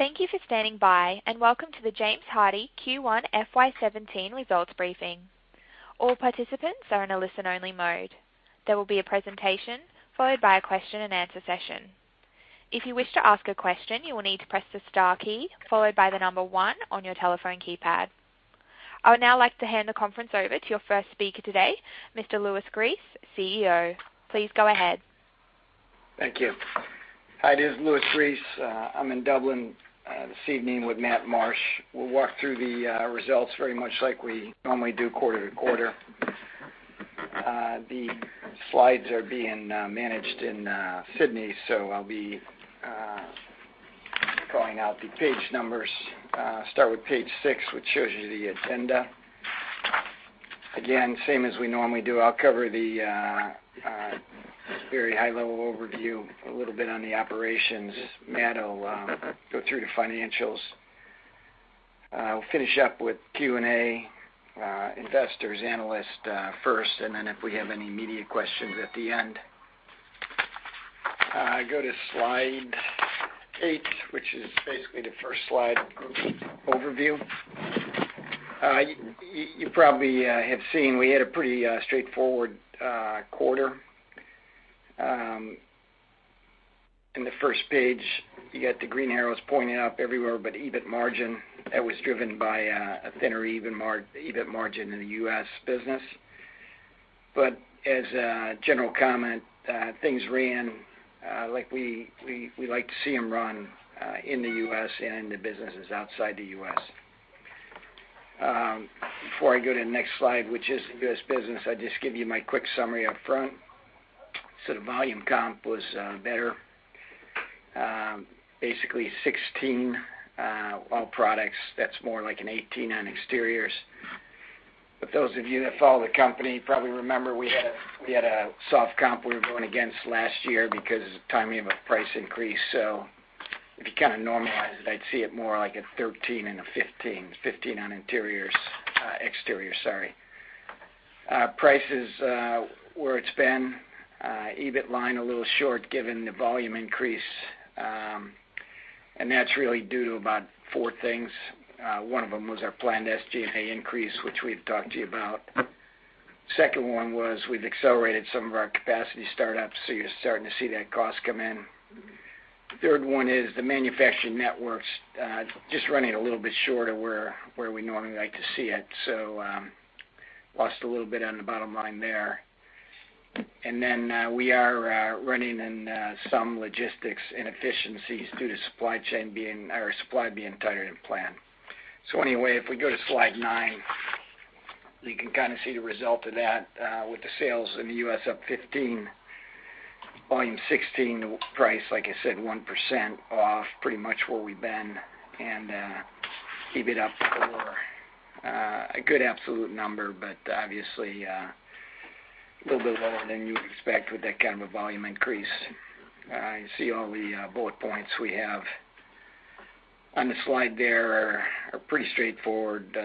Thank you for standing by, and welcome to the James Hardie Q1 FY 2017 results briefing. All participants are in a listen-only mode. There will be a presentation followed by a question-and-answer session. If you wish to ask a question, you will need to press the star key followed by the number one on your telephone keypad. I would now like to hand the conference over to your first speaker today, Mr. Louis Gries, CEO. Please go ahead. Thank you. Hi, this is Louis Gries. I'm in Dublin this evening with Matt Marsh. We'll walk through the results very much like we normally do quarter-to-quarter. The slides are being managed in Sydney, so I'll be calling out the page numbers. Start with page six, which shows you the agenda. Again, same as we normally do, I'll cover the very high-level overview, a little bit on the operations. Matt will go through the financials. We'll finish up with Q&A, investors, analysts first, and then if we have any media questions at the end. I go to slide eight, which is basically the first slide overview. You probably have seen we had a pretty straightforward quarter. In the first page, you got the green arrows pointing up everywhere but EBIT margin. That was driven by a thinner EBIT margin in the U.S. business. But as a general comment, things ran like we like to see them run in the U.S., and in the businesses outside the U.S., before I go to the next slide, which is the U.S. business, I'll just give you my quick summary up front. So the volume comp was better, basically 16, all products, that's more like an 18 on exteriors. But those of you that follow the company probably remember we had a soft comp we were going against last year because of the timing of a price increase. So if you kind of normalize it, I'd see it more like a 13 and a 15, 15 on interiors, exterior, sorry. Prices, where it's been EBIT line a little short, given the volume increase, and that's really due to about four things. One of them was our planned SG&A increase, which we've talked to you about. Second one was we've accelerated some of our capacity startups, so you're starting to see that cost come in. Third one is the manufacturing networks just running a little bit short of where we normally like to see it, so lost a little bit on the bottom line there. And then we are running in some logistics inefficiencies due to supply chain being or supply being tighter than planned. So anyway, if we go to slide nine, you can kind of see the result of that, with the sales in the U.S. up 15%, volume 16%, the price, like I said, 1% off, pretty much where we've been, and EBIT up 4%. A good absolute number, but obviously a little bit lower than you'd expect with that kind of a volume increase. You see all the bullet points we have on the slide there are pretty straightforward,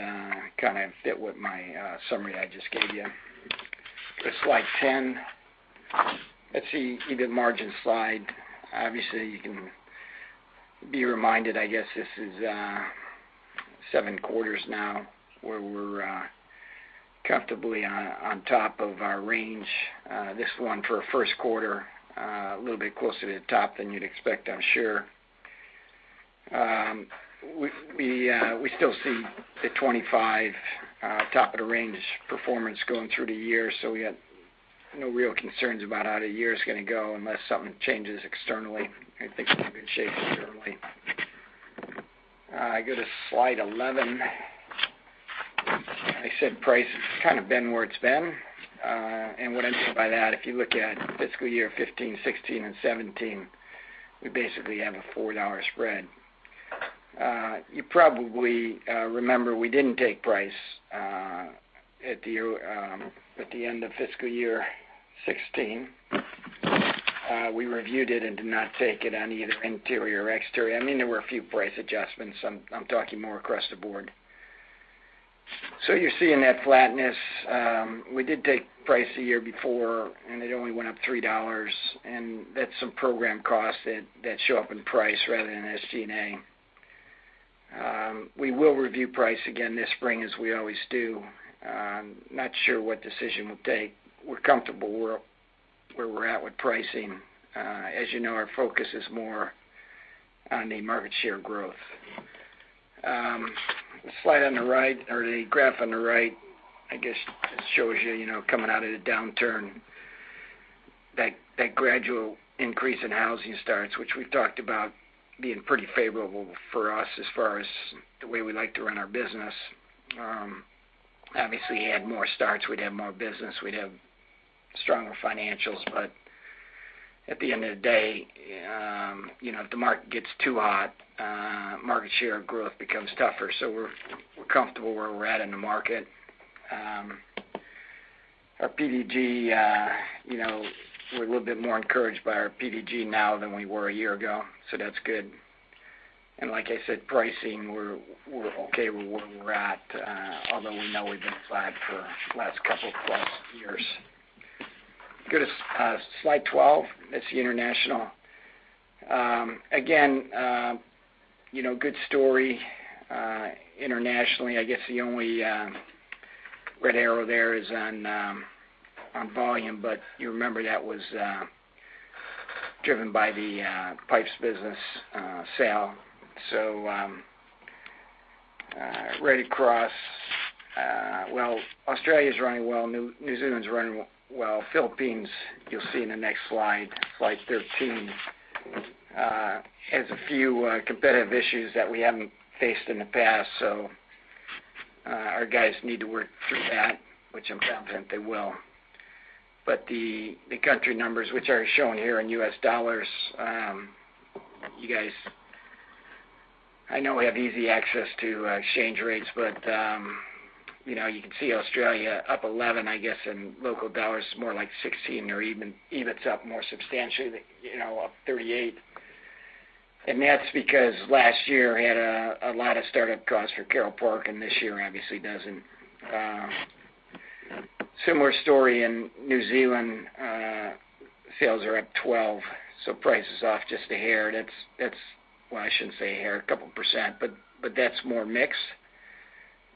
kind of fit with my summary I just gave you. To slide 10. Let's see, EBIT margin slide. Obviously, you can be reminded, I guess, this is seven quarters now where we're comfortably on top of our range. This one for a Q1, a little bit closer to the top than you'd expect, I'm sure. We still see the 25 top of the range performance going through the year, so we have no real concerns about how the year is going to go unless something changes externally. I think we're in good shape internally. I go to slide 11. I said price kind of been where it's been, and what I mean by that, if you look at fiscal year 2015, 2016, and 2017, we basically have a $4 spread. You probably remember we didn't take price at the end of fiscal year 2016. We reviewed it and did not take it on either interior or exterior. I mean, there were a few price adjustments. I'm talking more across the board. So you're seeing that flatness. We did take price the year before, and it only went up $3, and that's some program costs that show up in price rather than SG&A. We will review price again this spring, as we always do. I'm not sure what decision we'll take. We're comfortable where we're at with pricing. As you know, our focus is more on the market share growth. Slide on the right, or the graph on the right, I guess, shows you, you know, coming out of the downturn, that gradual increase in housing starts, which we've talked about being pretty favorable for us as far as the way we like to run our business. Obviously, if we had more starts, we'd have more business, we'd have stronger financials. But at the end of the day, you know, if the market gets too hot, market share growth becomes tougher. So we're comfortable where we're at in the market. Our PDG, you know, we're a little bit more encouraged by our PDG now than we were a year ago, so that's good. And like I said, pricing, we're okay with where we're at, although we know we've been flat for the last couple of years. Go to slide 12. That's the international. Again, you know, good story, internationally. I guess the only red arrow there is on volume, but you remember that was driven by the pipes business sale. So right across, well, Australia's running well, New Zealand's running well. Philippines, you'll see in the next slide, slide 13, has a few competitive issues that we haven't faced in the past. So, our guys need to work through that, which I'm confident they will. But the country numbers, which are shown here in U.S. dollars, you guys, I know we have easy access to exchange rates, but you know, you can see Australia up 11, I guess, in local dollars, more like 16, or even EBIT's up more substantially, you know, up 38. And that's because last year had a lot of startup costs for Carole Park, and this year obviously doesn't. Similar story in New Zealand. Sales are up 12, so price is off just a hair. That's. Well, I shouldn't say a hair, a couple percent, but that's more mix.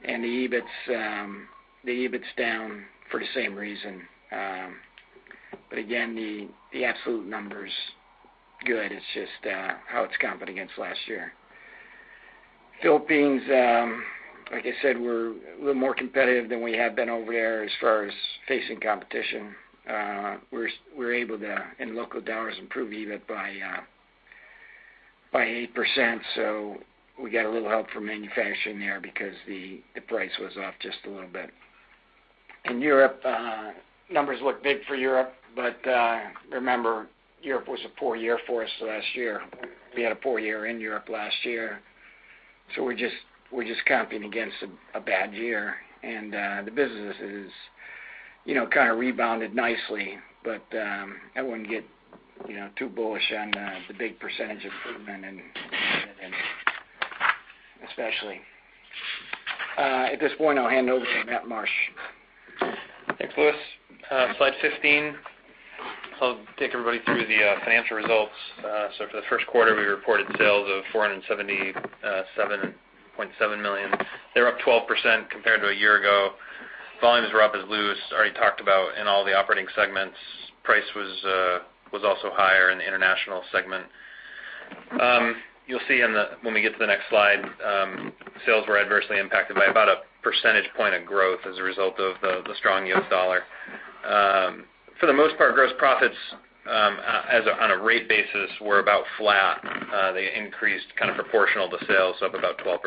And the EBIT's, the EBIT's down for the same reason. But again, the absolute number's good. It's just how it's comping against last year. Philippines, like I said, we're a little more competitive than we have been over there as far as facing competition. We're able to, in local dollars, improve EBIT by 8%, so we got a little help from manufacturing there because the price was off just a little bit. In Europe, numbers look big for Europe, but remember, Europe was a poor year for us last year. We had a poor year in Europe last year, so we're just comping against a bad year, and the business is, you know, kind of rebounded nicely. But, I wouldn't get, you know, too bullish on the big percentage improvement in especially. At this point, I'll hand it over to Matt Marsh. Thanks, Louis. Slide 15, I'll take everybody through the financial results. So for theQ1, we reported sales of $477.7 million. They're up 12% compared to a year ago. Volumes were up, as Louis already talked about, in all the operating segments. Price was also higher in the international segment. You'll see in the, when we get to the next slide, sales were adversely impacted by about a percentage point of growth as a result of the strong U.S. dollar. For the most part, gross profits, as on a rate basis, were about flat. They increased kind of proportional to sales, up about 12%.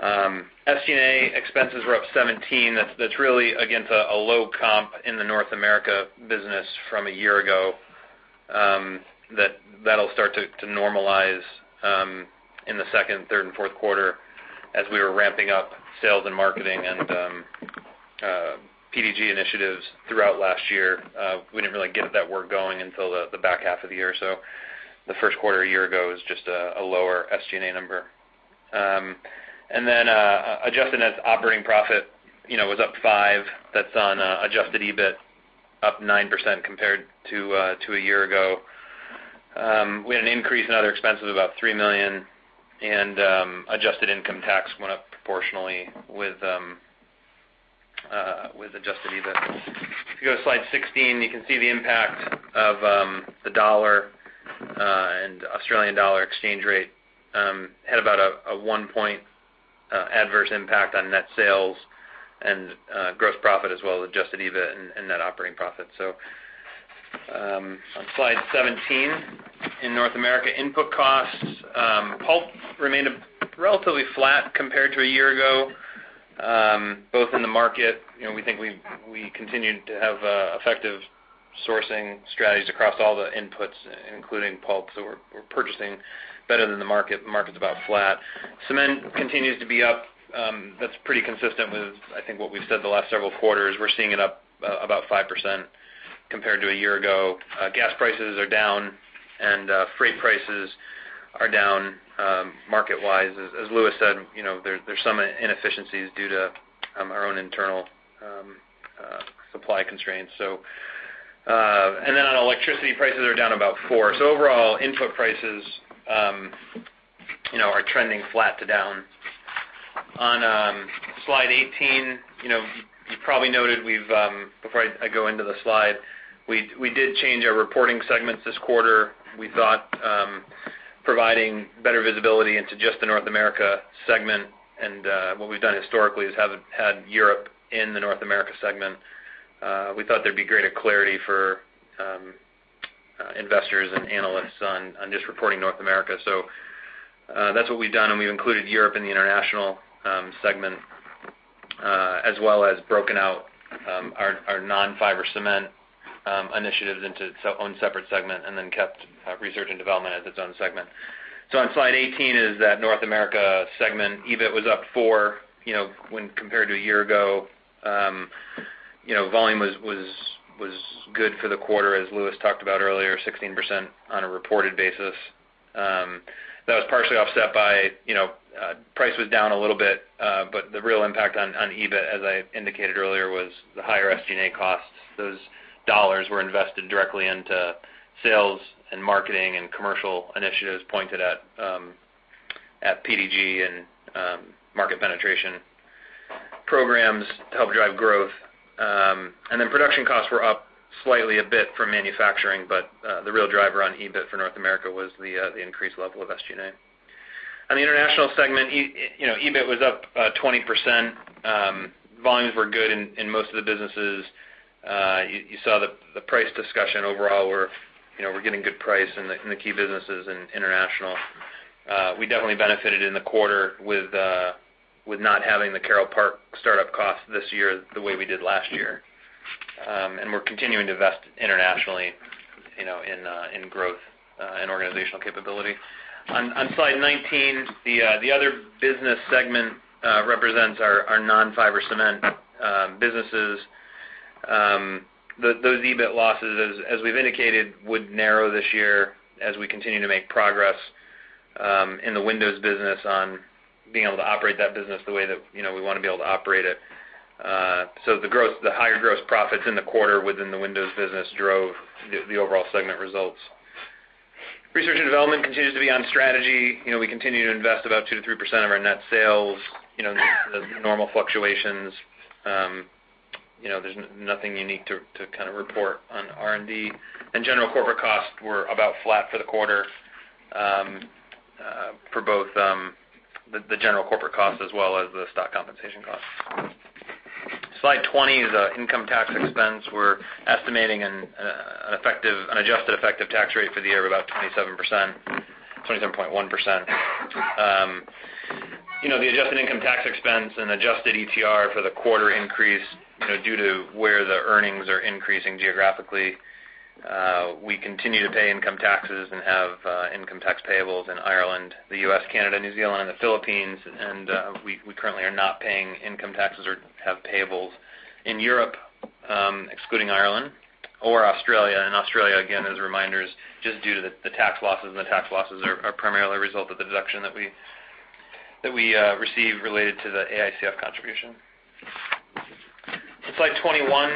SG&A expenses were up 17%. That's really against a low comp in the North America business from a year ago. That'll start to normalize in the Q2, Q3, andQ4 as we were ramping up sales and marketing and PDG initiatives throughout last year. We didn't really get that work going until the back half of the year, so the Q1 a year ago was just a lower SG&A number. And then Adjusted Net Operating Profit, you know, was up 5%. That's on Adjusted EBIT, up 9% compared to a year ago. We had an increase in other expenses, about $3 million, and adjusted income tax went up proportionally with Adjusted EBIT. If you go to slide 16, you can see the impact of the dollar and Australian dollar exchange rate had about a one-point adverse impact on net sales and gross profit as well as Adjusted EBIT and net operating profit. So, on slide 17, in North America, input costs, pulp remained relatively flat compared to a year ago, both in the market. You know, we think we continued to have effective sourcing strategies across all the inputs, including pulp. So we're purchasing better than the market. The market's about flat. Cement continues to be up. That's pretty consistent with, I think, what we've said the last several quarters. We're seeing it up about 5% compared to a year ago. Gas prices are down, and freight prices are down, market-wise. As Louis said, you know, there's some inefficiencies due to our own internal supply constraints. So, and then on electricity, prices are down about four. So overall, input prices, you know, are trending flat to down. On slide eighteen, you know, you probably noted we've before I go into the slide, we did change our reporting segments this quarter. We thought providing better visibility into just the North America segment, and what we've done historically is had Europe in the North America segment. We thought there'd be greater clarity for investors and analysts on just reporting North America. So, that's what we've done, and we've included Europe in the international segment, as well as broken out our non-fiber cement initiatives into its own separate segment, and then kept research and development as its own segment. So on slide 18 is that North America segment. EBIT was up four, you know, when compared to a year ago. You know, volume was good for the quarter, as Louis talked about earlier, 16% on a reported basis. That was partially offset by, you know, price was down a little bit, but the real impact on EBIT, as I indicated earlier, was the higher SG&A costs. Those dollars were invested directly into sales and marketing and commercial initiatives pointed at PDG and market penetration programs to help drive growth. And then production costs were up slightly a bit from manufacturing, but the real driver on EBIT for North America was the increased level of SG&A. On the international segment, you know, EBIT was up 20%. Volumes were good in most of the businesses. You saw the price discussion overall, we're, you know, we're getting good price in the key businesses in international. We definitely benefited in the quarter with not having the Carole Park startup costs this year the way we did last year. And we're continuing to invest internationally, you know, in growth and organizational capability. On Slide 19, the other business segment represents our non-fiber cement businesses. Those EBIT losses, as we've indicated, would narrow this year as we continue to make progress in the windows business on being able to operate that business the way that, you know, we wanna be able to operate it. So the growth, the higher gross profits in the quarter within the windows business drove the overall segment results. Research and development continues to be on strategy. You know, we continue to invest about 2%-3% of our net sales, you know, the normal fluctuations. You know, there's nothing unique to kind of report on R&D. General corporate costs were about flat for the quarter, for both, the general corporate costs as well as the stock compensation costs. Slide 20 is income tax expense. We're estimating an adjusted effective tax rate for the year of about 27%, 27.1%. You know, the adjusted income tax expense and Adjusted ETR for the quarter increased, you know, due to where the earnings are increasing geographically. We continue to pay Income Taxes and have income tax payables in Ireland, the U.S., Canada, New Zealand, and the Philippines. We currently are not paying income taxes or have Payables in Europe, excluding Ireland or Australia. Australia, again, as a reminder, is just due to the tax losses, and the tax losses are primarily a result of the deduction that we received related to the AICF contribution. Slide 21,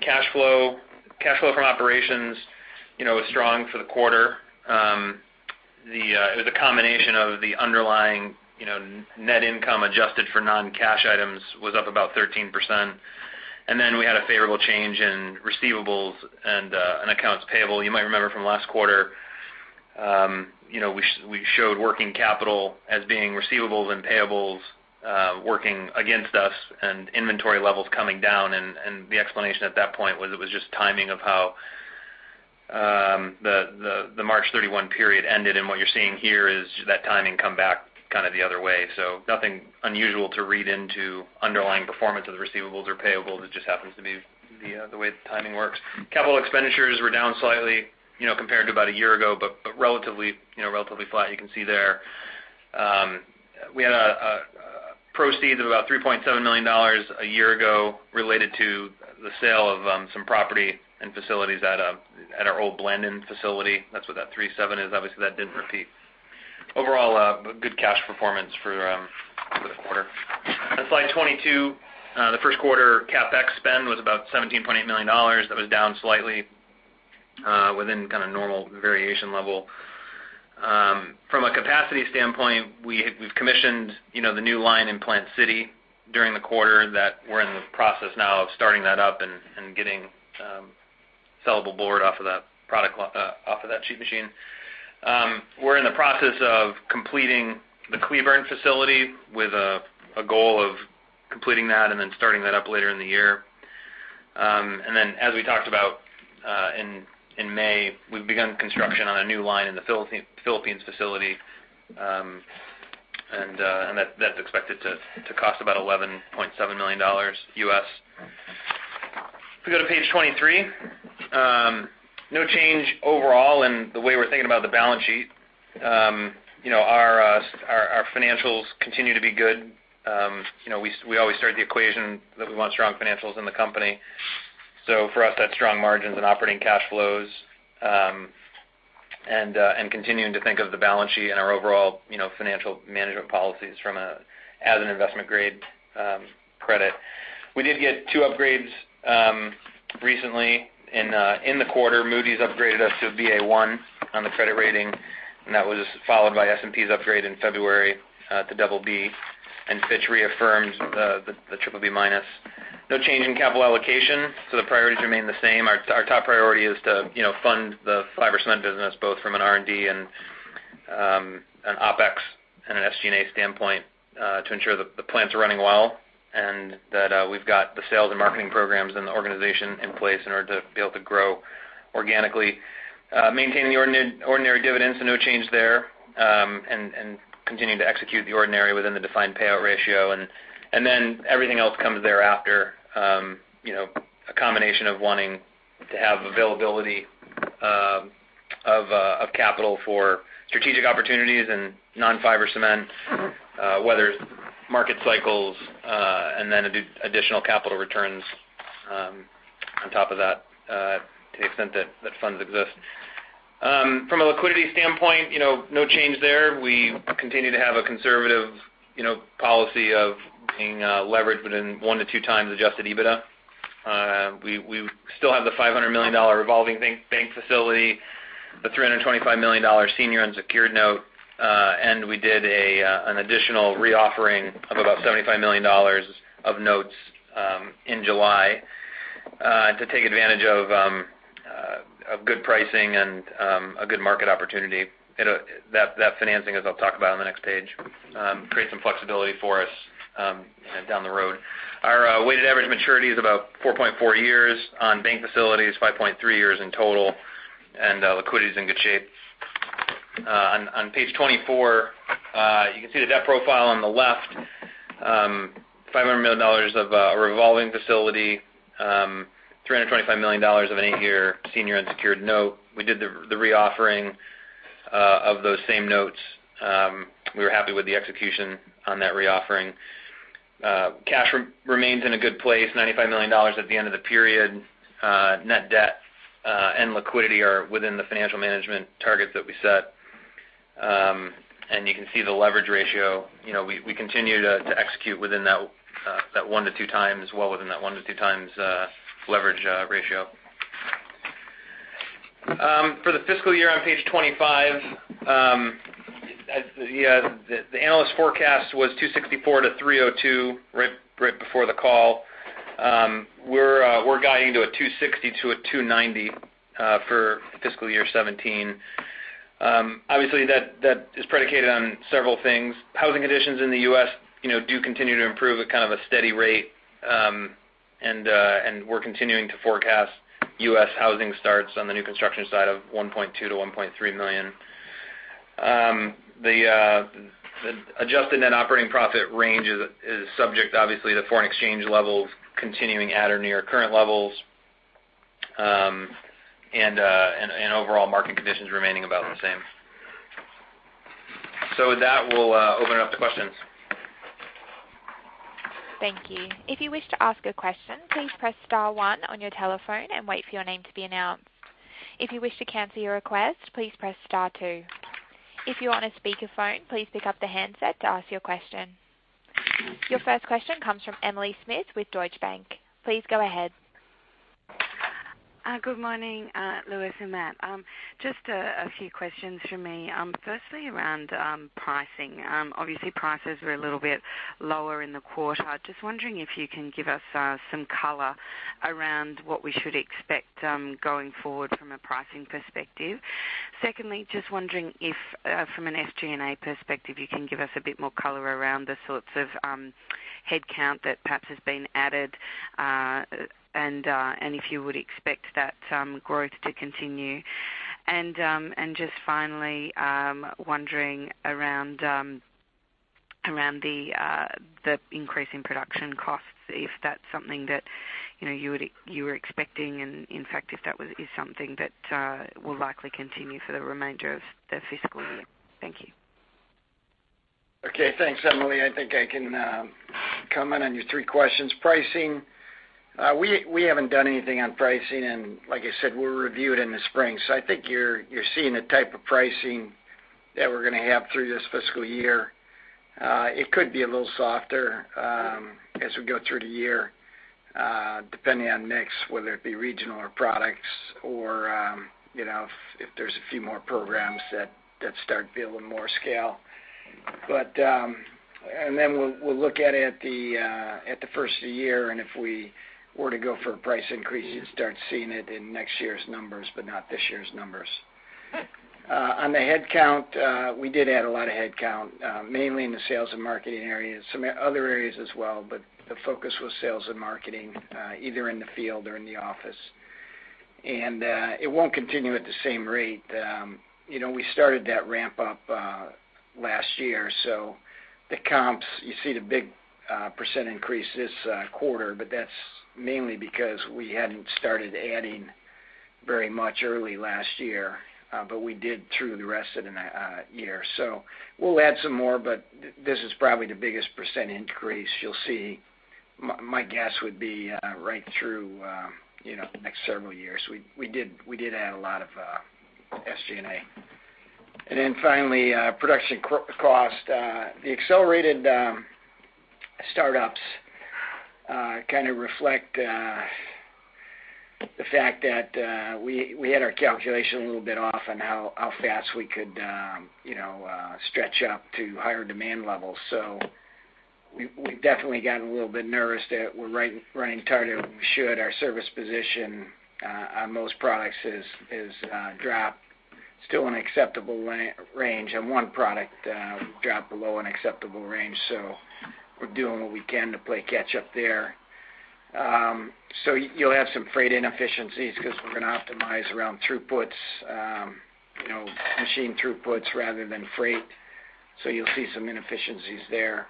Cash Flow. Cash flow from operations, you know, was strong for the quarter. It was a combination of the underlying, you know, Net Income Adjusted for non-cash items was up about 13%. And then we had a favorable change in receivables and accounts payable. You might remember from last quarter, you know, we showed working capital as being receivables and payables working against us and inventory levels coming down. And the explanation at that point was it was just timing of how the March 31 period ended, and what you're seeing here is that timing come back kind of the other way. So nothing unusual to read into underlying performance of the receivables or payables. It just happens to be the way the timing works. Capital expenditures were down slightly, you know, compared to about a year ago, but relatively, you know, relatively flat, you can see there. We had a proceeds of about $3.7 million a year ago related to the sale of some property and facilities at our old Blandon facility. That's what that three seven is. Obviously, that didn't repeat. Overall, good cash performance for the quarter. On Slide 22, the Q1 CapEx spend was about $17.8 million. That was down slightly, within kind of normal variation level. From a capacity standpoint, we've commissioned, you know, the new line in Plant City during the quarter that we're in the process now of starting that up and getting sellable board off of that product, off of that sheet machine. We're in the process of completing the Cleburne facility with a goal of completing that and then starting that up later in the year. And then as we talked about, in May, we've begun construction on a new line in the Philippines facility, and that's expected to cost about $11.7 million U.S., If we go to page 23, no change overall in the way we're thinking about the balance sheet. You know, our financials continue to be good. You know, we always start the equation that we want strong financials in the company. So for us, that's strong margins and operating cash flows, and continuing to think of the balance sheet and our overall, you know, financial management policies from a, as an investment grade credit. We did get two upgrades recently in the quarter. Moody's upgraded us to Ba1 on the credit rating, and that was followed by S&P's upgrade in February to BB, and Fitch reaffirmed the triple B minus. No change in capital allocation, so the priorities remain the same. Our top priority is to, you know, fund the fiber cement business, both from an R&D and an OpEx and an SG&A standpoint to ensure that the plants are running well and that we've got the sales and marketing programs and the organization in place in order to be able to grow organically. Maintaining the ordinary dividends, so no change there, and continuing to execute the ordinary within the defined payout ratio. And then everything else comes thereafter, you know, a combination of wanting to have availability of capital for strategic opportunities and non-fiber cement, whether it's market cycles, and then additional capital returns on top of that, to the extent that funds exist. From a liquidity standpoint, you know, no change there. We continue to have a conservative, you know, policy of being leveraged within one to two times Adjusted EBITDA. We still have the $500 million revolving bank facility, the $325 million senior unsecured note, and we did an additional reoffering of about $75 million of notes in July to take advantage of good pricing and a good market opportunity. You know, that financing, as I'll talk about on the next page, creates some flexibility for us, down the road. Our weighted average maturity is about 4.4 years on bank facilities, 5.3 years in total, and liquidity is in good shape. On page 24, you can see the debt profile on the left, $500 million of a revolving facility, $325 million of an 8-year senior unsecured note. We did the reoffering of those same notes. We were happy with the execution on that reoffering. Cash remains in a good place, $95 million at the end of the period. Net debt and liquidity are within the financial management targets that we set. You can see the leverage ratio. You know, we continue to execute within that 1-2 times, well within that 1-2 times, leverage ratio. For the fiscal year on page 25, as yeah, the analyst forecast was 264-302, right, right before the call. We're guiding to a 260-290, for fiscal year 2017. Obviously, that is predicated on several things. Housing conditions in the U.S., you know, do continue to improve at kind of a steady rate, and we're continuing to forecast U.S. housing starts on the new construction side of 1.2-1.3 million. The Adjusted Net Operating Profit range is subject to the foreign exchange levels continuing at or near current levels, and overall market conditions remaining about the same, so with that, we'll open it up to questions. Thank you. If you wish to ask a question, please press star one on your telephone and wait for your name to be announced. If you wish to cancel your request, please press star two. If you're on a speaker phone, please pick up the handset to ask your question. Your first question comes from Emily Smith with Deutsche Bank. Please go ahead. Good morning, Louis and Matt. Just a few questions from me. Firstly, around pricing. Obviously, prices were a little bit lower in the quarter. Just wondering if you can give us some color around what we should expect going forward from a pricing perspective. Secondly, just wondering if from an SG&A perspective, you can give us a bit more color around the sorts of headcount that perhaps has been added, and if you would expect that growth to continue. And just finally, wondering around the increase in production costs, if that's something that you know you would you were expecting, and in fact, if that was is something that will likely continue for the remainder of the fiscal year? Thank you. Okay, thanks, Emily. I think I can comment on your three questions. Pricing, we haven't done anything on pricing, and like I said, we'll review it in the spring. So I think you're seeing the type of pricing that we're gonna have through this fiscal year. It could be a little softer, as we go through the year, depending on mix, whether it be regional or products or, you know, if there's a few more programs that start to build more scale. But, and then we'll look at it at the first of the year, and if we were to go for a price increase, you'd start seeing it in next year's numbers, but not this year's numbers. On the headcount, we did add a lot of headcount, mainly in the sales and marketing areas. Some other areas as well, but the focus was sales and marketing, either in the field or in the office. It won't continue at the same rate. You know, we started that ramp up last year, so the comps, you see the big percent increase this quarter, but that's mainly because we hadn't started adding very much early last year, but we did through the rest of the year. We'll add some more, but this is probably the biggest percent increase you'll see, my guess would be, right through, you know, the next several years. We did add a lot of SG&A. And then finally, production cost, the accelerated startups kind of reflect the fact that we had our calculation a little bit off on how fast we could you know stretch up to higher demand levels. So we've definitely gotten a little bit nervous that we're running tighter than we should. Our service position on most products is dropped, still in acceptable range, and one product dropped below an acceptable range, so we're doing what we can to play catch up there. So you'll have some freight inefficiencies because we're gonna optimize around throughputs, you know, machine throughputs rather than freight. So you'll see some inefficiencies there.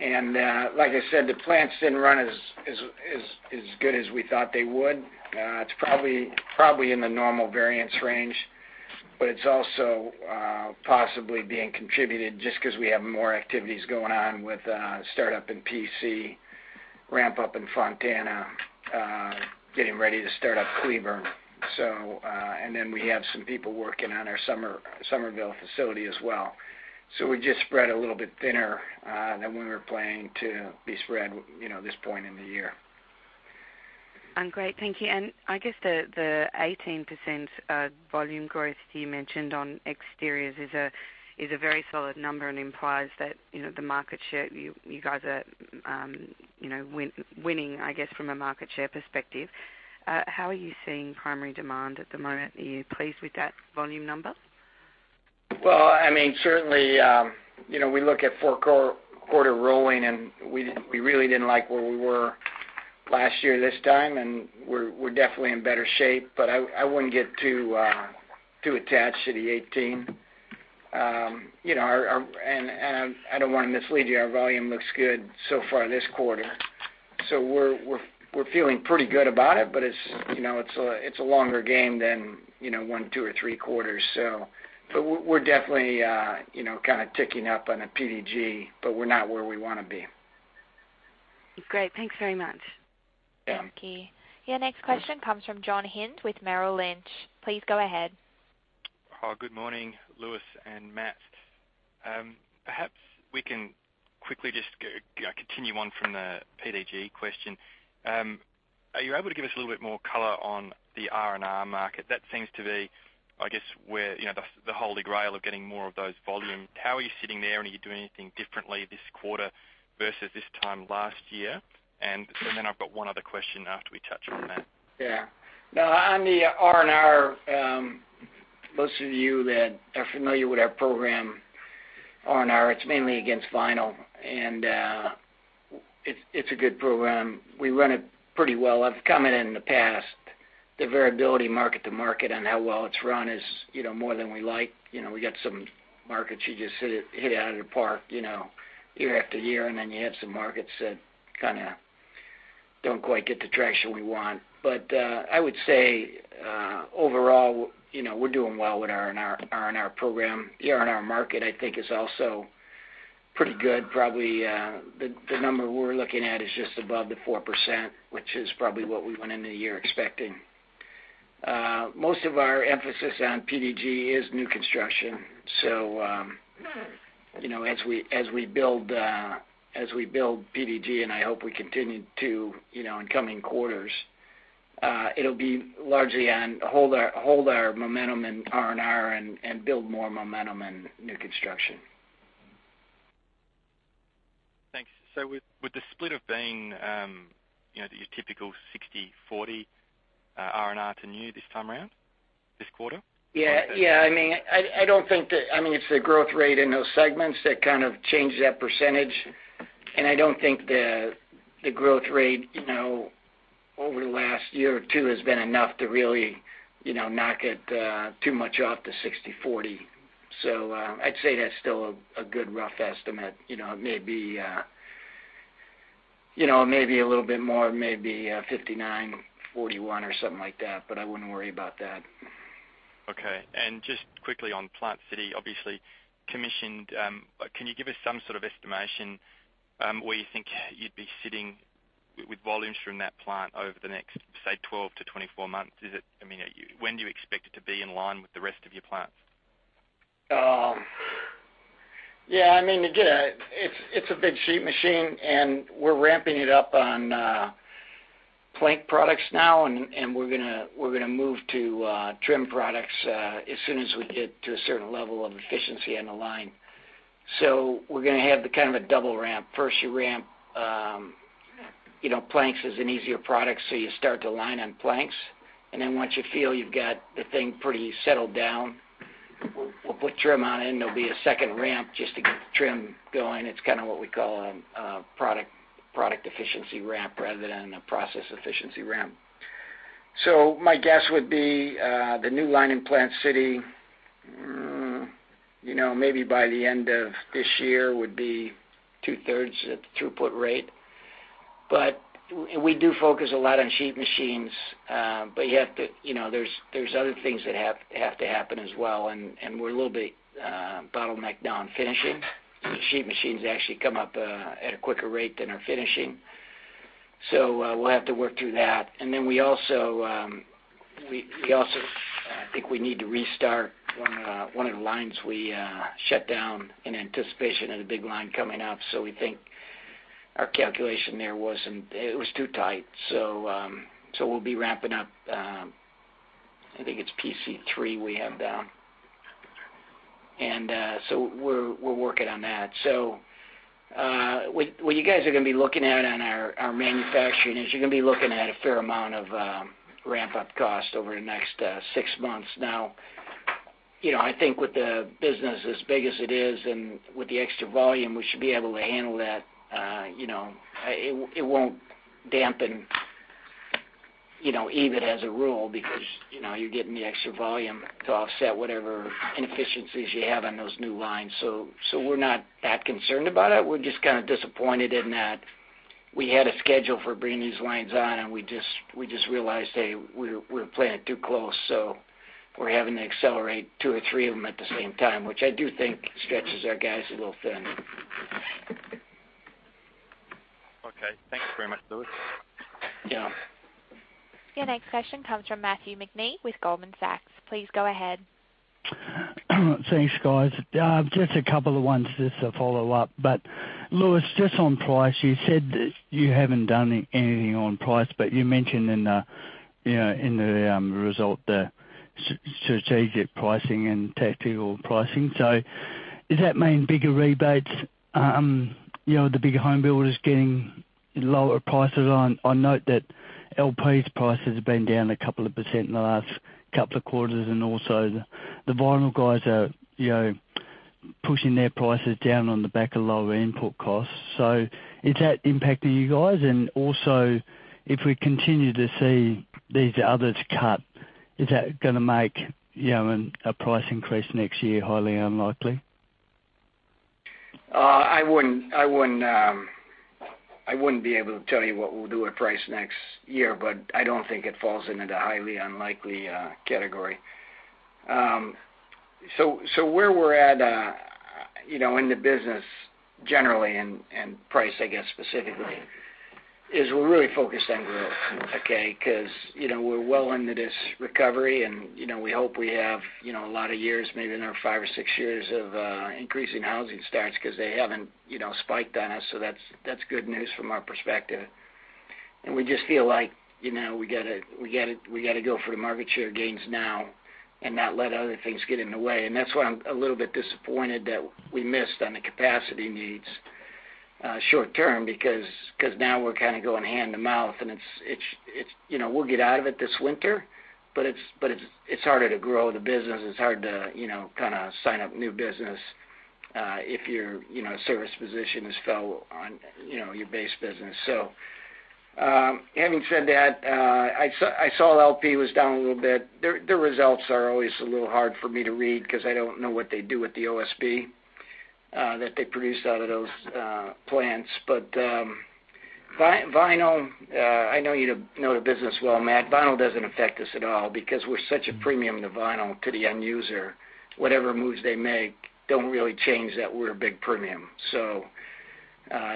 And, like I said, the plants didn't run as good as we thought they would. It's probably in the normal variance range, but it's also possibly being contributed just because we have more activities going on with startup in PC, ramp up in Fontana, getting ready to start up Cleburne. So, and then we have some people working on our Summerville facility as well. So we're just spread a little bit thinner than we were planning to be spread, you know, at this point in the year. Great, thank you. I guess the 18% volume growth you mentioned on exteriors is a very solid number and implies that, you know, the market share, you guys are, you know, winning, I guess, from a market share perspective. How are you seeing primary demand at the moment? Are you pleased with that volume number? Well, I mean, certainly, you know, we look at four-quarter rolling, and we really didn't like where we were last year, this time, and we're definitely in better shape, but I wouldn't get too attached to the eighteen. You know, and I don't want to mislead you, our volume looks good so far this quarter, so we're feeling pretty good about it, but it's, you know, it's a longer game than, you know, Q1, Q2, or Q3's. So, but we're definitely, you know, kind of ticking up on a PDG, but we're not where we want to be. Great. Thanks very much. Yeah. Thank you. Your next question comes from John Hynd with Merrill Lynch. Please go ahead. Hi, good morning, Louis and Matt. Perhaps we can quickly just go, continue on from the PDG question. Are you able to give us a little bit more color on the R&R market? That seems to be, I guess, where, you know, the Holy Grail of getting more of those volumes. How are you sitting there, and are you doing anything differently this quarter versus this time last year? And then I've got one other question after we touch on that. Yeah. No, on the R&R, most of you that are familiar with our program, R&R, it's mainly against vinyl, and it's a good program. We run it pretty well. I've commented in the past, the variability market to market and how well it's run is, you know, more than we like. You know, we got some markets you just hit it, hit it out of the park, you know, year after year. And then you have some markets that kind of don't quite get the traction we want. But I would say overall, you know, we're doing well with our R&R, R&R program. The R&R market, I think, is also pretty good. Probably the number we're looking at is just above the 4%, which is probably what we went into the year expecting. Most of our emphasis on PDG is new construction, so you know, as we build PDG, and I hope we continue to, you know, in coming quarters, it'll be largely on holding our momentum in R&R and build more momentum in new construction. Thanks. So with the split of being, you know, your typical 60/40, R&R to new this time around, this quarter? Yeah. Yeah. I mean, I don't think that. I mean, it's the growth rate in those segments that kind of change that percentage, and I don't think the growth rate, you know, over the last year or two has been enough to really, you know, knock it too much off the sixty/forty. So, I'd say that's still a good rough estimate. You know, it may be, you know, maybe a little bit more, maybe fifty-nine, forty-one or something like that, but I wouldn't worry about that. Okay. And just quickly on Plant City, obviously commissioned, can you give us some sort of estimation, where you think you'd be sitting with volumes from that plant over the next, say, 12 to 24 months? Is it, I mean, when do you expect it to be in line with the rest of your plants? Yeah, I mean, again, it's a big sheet machine, and we're ramping it up on plank products now, and we're gonna move to trim products as soon as we get to a certain level of efficiency on the line. So we're gonna have the kind of a double ramp. First you ramp, you know, planks is an easier product, so you start the line on planks, and then once you feel you've got the thing pretty settled down, we'll put trim on, and there'll be a second ramp just to get the trim going. It's kind of what we call a product efficiency ramp rather than a process efficiency ramp. So my guess would be, the new line in Plant City, you know, maybe by the end of this year would be two-thirds at the throughput rate. But we do focus a lot on sheet machines, but you have to, you know, there's other things that have to happen as well, and we're a little bit bottlenecked down on finishing. The sheet machines actually come up at a quicker rate than our finishing. So, we'll have to work through that. And then we also, I think we need to restart one of the lines we shut down in anticipation of the big line coming up. So we think our calculation there wasn't. It was too tight. So, so we'll be ramping up, I think it's PC3 we have down. So we're working on that. So what you guys are gonna be looking at on our manufacturing is you're gonna be looking at a fair amount of ramp-up cost over the next six months. Now you know I think with the business as big as it is and with the extra volume we should be able to handle that. You know it won't dampen you know even as a rule because you know you're getting the extra volume to offset whatever inefficiencies you have on those new lines. So we're not that concerned about it. We're just kind of disappointed in that. We had a schedule for bringing these lines on, and we just realized, hey, we're planning too close, so we're having to accelerate two or three of them at the same time, which I do think stretches our guys a little thin. Okay, thank you very much, Louis. Yeah. Your next question comes from Matthew McNee with Goldman Sachs. Please go ahead. Thanks, guys. Just a couple of ones just to follow up. But Louis, just on price, you said that you haven't done anything on price, but you mentioned in the, you know, in the, result, the strategic pricing and tactical pricing. So does that mean bigger rebates, you know, the bigger home builders getting lower prices? I note that LP's prices have been down a couple of % in the last couple of quarters, and also the vinyl guys are, you know, pushing their prices down on the back of lower input costs. So is that impacting you guys? And also, if we continue to see these others cut, is that gonna make, you know, a price increase next year highly unlikely? I wouldn't be able to tell you what we'll do with price next year, but I don't think it falls into the highly unlikely category, so where we're at, you know, in the business generally and price, I guess, specifically, is we're really focused on growth, okay? Because, you know, we're well into this recovery and, you know, we hope we have, you know, a lot of years, maybe another five or six years of increasing housing starts because they haven't, you know, spiked on us, so that's good news from our perspective. And we just feel like, you know, we gotta go for the market share gains now and not let other things get in the way. And that's why I'm a little bit disappointed that we missed on the capacity needs short term, because now we're kind of going hand to mouth, and it's you know, we'll get out of it this winter, but it's harder to grow the business. It's hard to you know, kind of sign up new business if your you know, service position has fell on you know, your base business. So having said that I saw LP was down a little bit. Their results are always a little hard for me to read because I don't know what they do with the OSB that they produce out of those plants. But vinyl I know you know the business well, Matt. Vinyl doesn't affect us at all because we're such a premium to vinyl to the end user. Whatever moves they make, don't really change that we're a big premium. So,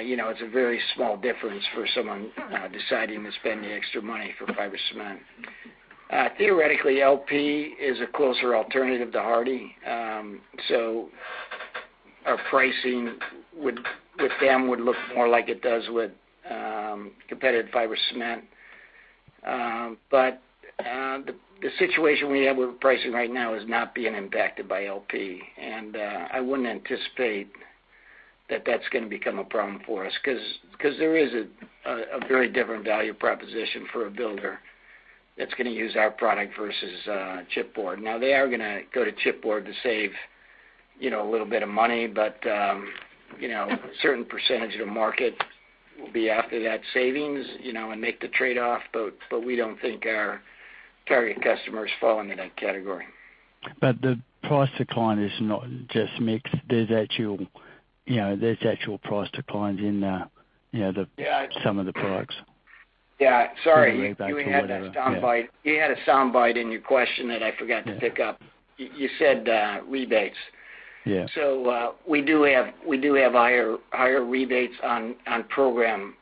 you know, it's a very small difference for someone deciding to spend the extra money for fiber cement. Theoretically, LP is a closer alternative to Hardie. So our pricing with them would look more like it does with competitive fiber cement. But the situation we have with pricing right now is not being impacted by LP, and I wouldn't anticipate that that's gonna become a problem for us. Because there is a very different value proposition for a builder that's gonna use our product versus chipboard. Now, they are gonna go to chipboard to save, you know, a little bit of money, but, you know, a certain percentage of the market will be after that savings, you know, and make the trade-off, but we don't think our target customers fall into that category. But the price decline is not just mixed. There's actual, you know, price declines in, you know, the- Yeah. some of the products. Yeah. Sorry- Rebates or whatever. You had a soundbite, you had a soundbite in your question that I forgot to pick up. Mm-hmm. You said, rebates. Yeah. So, we do have higher rebates on program,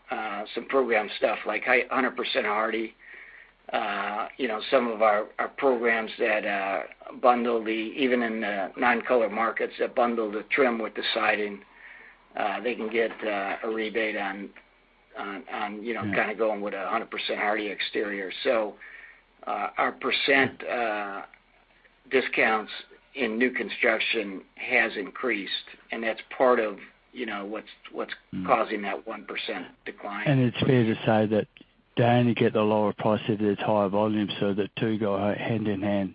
some program stuff, like 100% Hardie. You know, some of our programs that bundle them, even in the nine color markets, that bundle the trim with the siding, they can get a rebate on, you know- Yeah kind of going with 100% Hardie exterior. So, our percent, discounts in new construction has increased, and that's part of, you know, what's causing- Mm. -that 1% decline. It's fair to say that they only get the lower price if there's higher volume, so the two go hand in hand.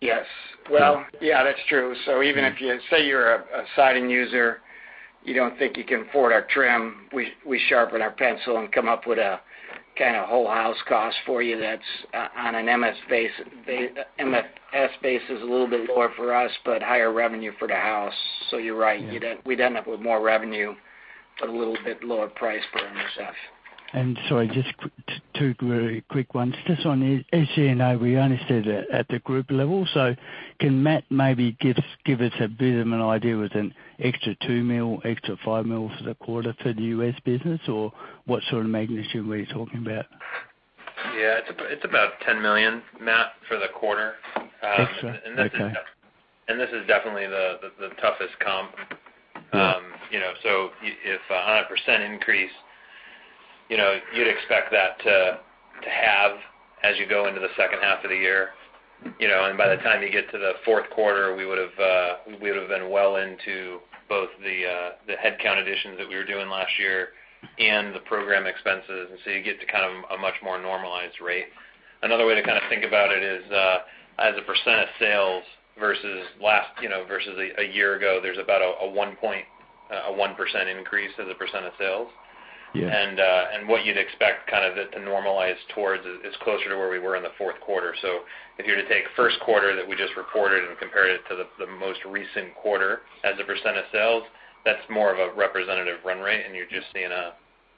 Yes. Well, yeah, that's true. So even if you say you're a siding user, you don't think you can afford our trim, we sharpen our pencil and come up with a kind of whole house cost for you that's on an MSF base, is a little bit lower for us, but higher revenue for the house. So you're right. Yeah. We'd end up with more revenue, but a little bit lower price for MSF. And sorry, just quick, two very quick ones. Just on the ACNO, we only see that at the group level. So can Matt maybe give us a bit of an idea within extra $2 million, extra $5 million for the quarter for the US business? Or what sort of magnitude are we talking about? Yeah, it's about $10 million, Matt, for the quarter. Extra, okay. and this is definitely the toughest comp. You know, so if a 100% increase, you know, you'd expect that to have as you go into the second half of the year. You know, and by the time you get to the Q4, we would've been well into both the headcount additions that we were doing last year and the program expenses. So you get to kind of a much more normalized rate. Another way to kind of think about it is as a percent of sales versus last, you know, versus a year ago, there's about a 1% increase as a percent of sales. Yeah. What you'd expect kind of it to normalize towards is closer to where we were in the Q4. So if you were to take Q1 that we just reported and compare it to the most recent quarter as a % of sales, that's more of a representative run rate, and you're just seeing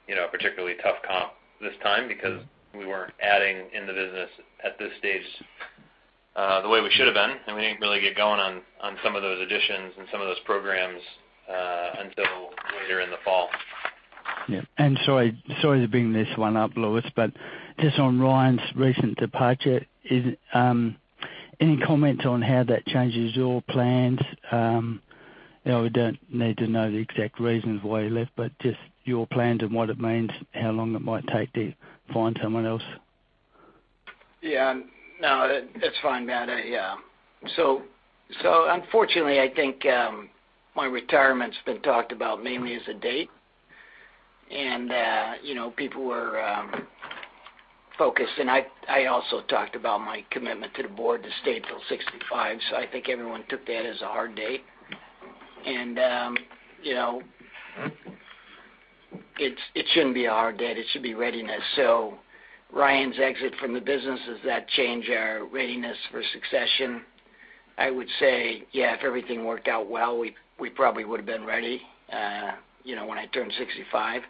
you know, a particularly tough comp this time because we weren't adding in the business at this stage, the way we should have been, and we didn't really get going on some of those additions and some of those programs until later in the fall. Yeah. And sorry, sorry to bring this one up, Louis, but just on Ryan's recent departure, is any comments on how that changes your plans? You know, we don't need to know the exact reasons why he left, but just your plans and what it means, how long it might take to find someone else? Yeah. No, it's fine, Matt. Yeah. So unfortunately, I think my retirement's been talked about mainly as a date, and you know, people were focused, and I also talked about my commitment to the board to stay till sixty-five. So I think everyone took that as a hard date. And you know, it shouldn't be a hard date, it should be readiness. So Ryan's exit from the business, does that change our readiness for succession? I would say yeah, if everything worked out well, we probably would have been ready you know, when I turned sixty-five.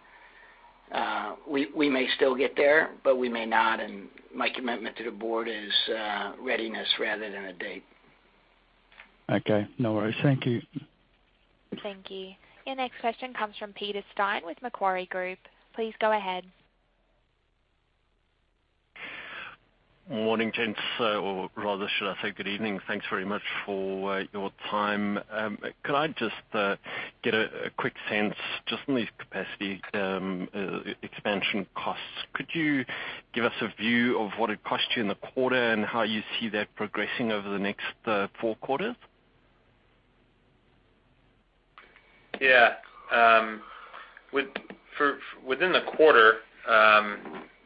We may still get there, but we may not, and my commitment to the board is readiness rather than a date. Okay. No worries. Thank you. Thank you. Your next question comes from Peter Steyn with Macquarie Group. Please go ahead. Morning, gents, or rather, should I say good evening. Thanks very much for your time. Could I just get a quick sense just on these capacity expansion costs? Could you give us a view of what it cost you in the quarter and how you see that progressing over the next four quarters? Yeah. Within the quarter,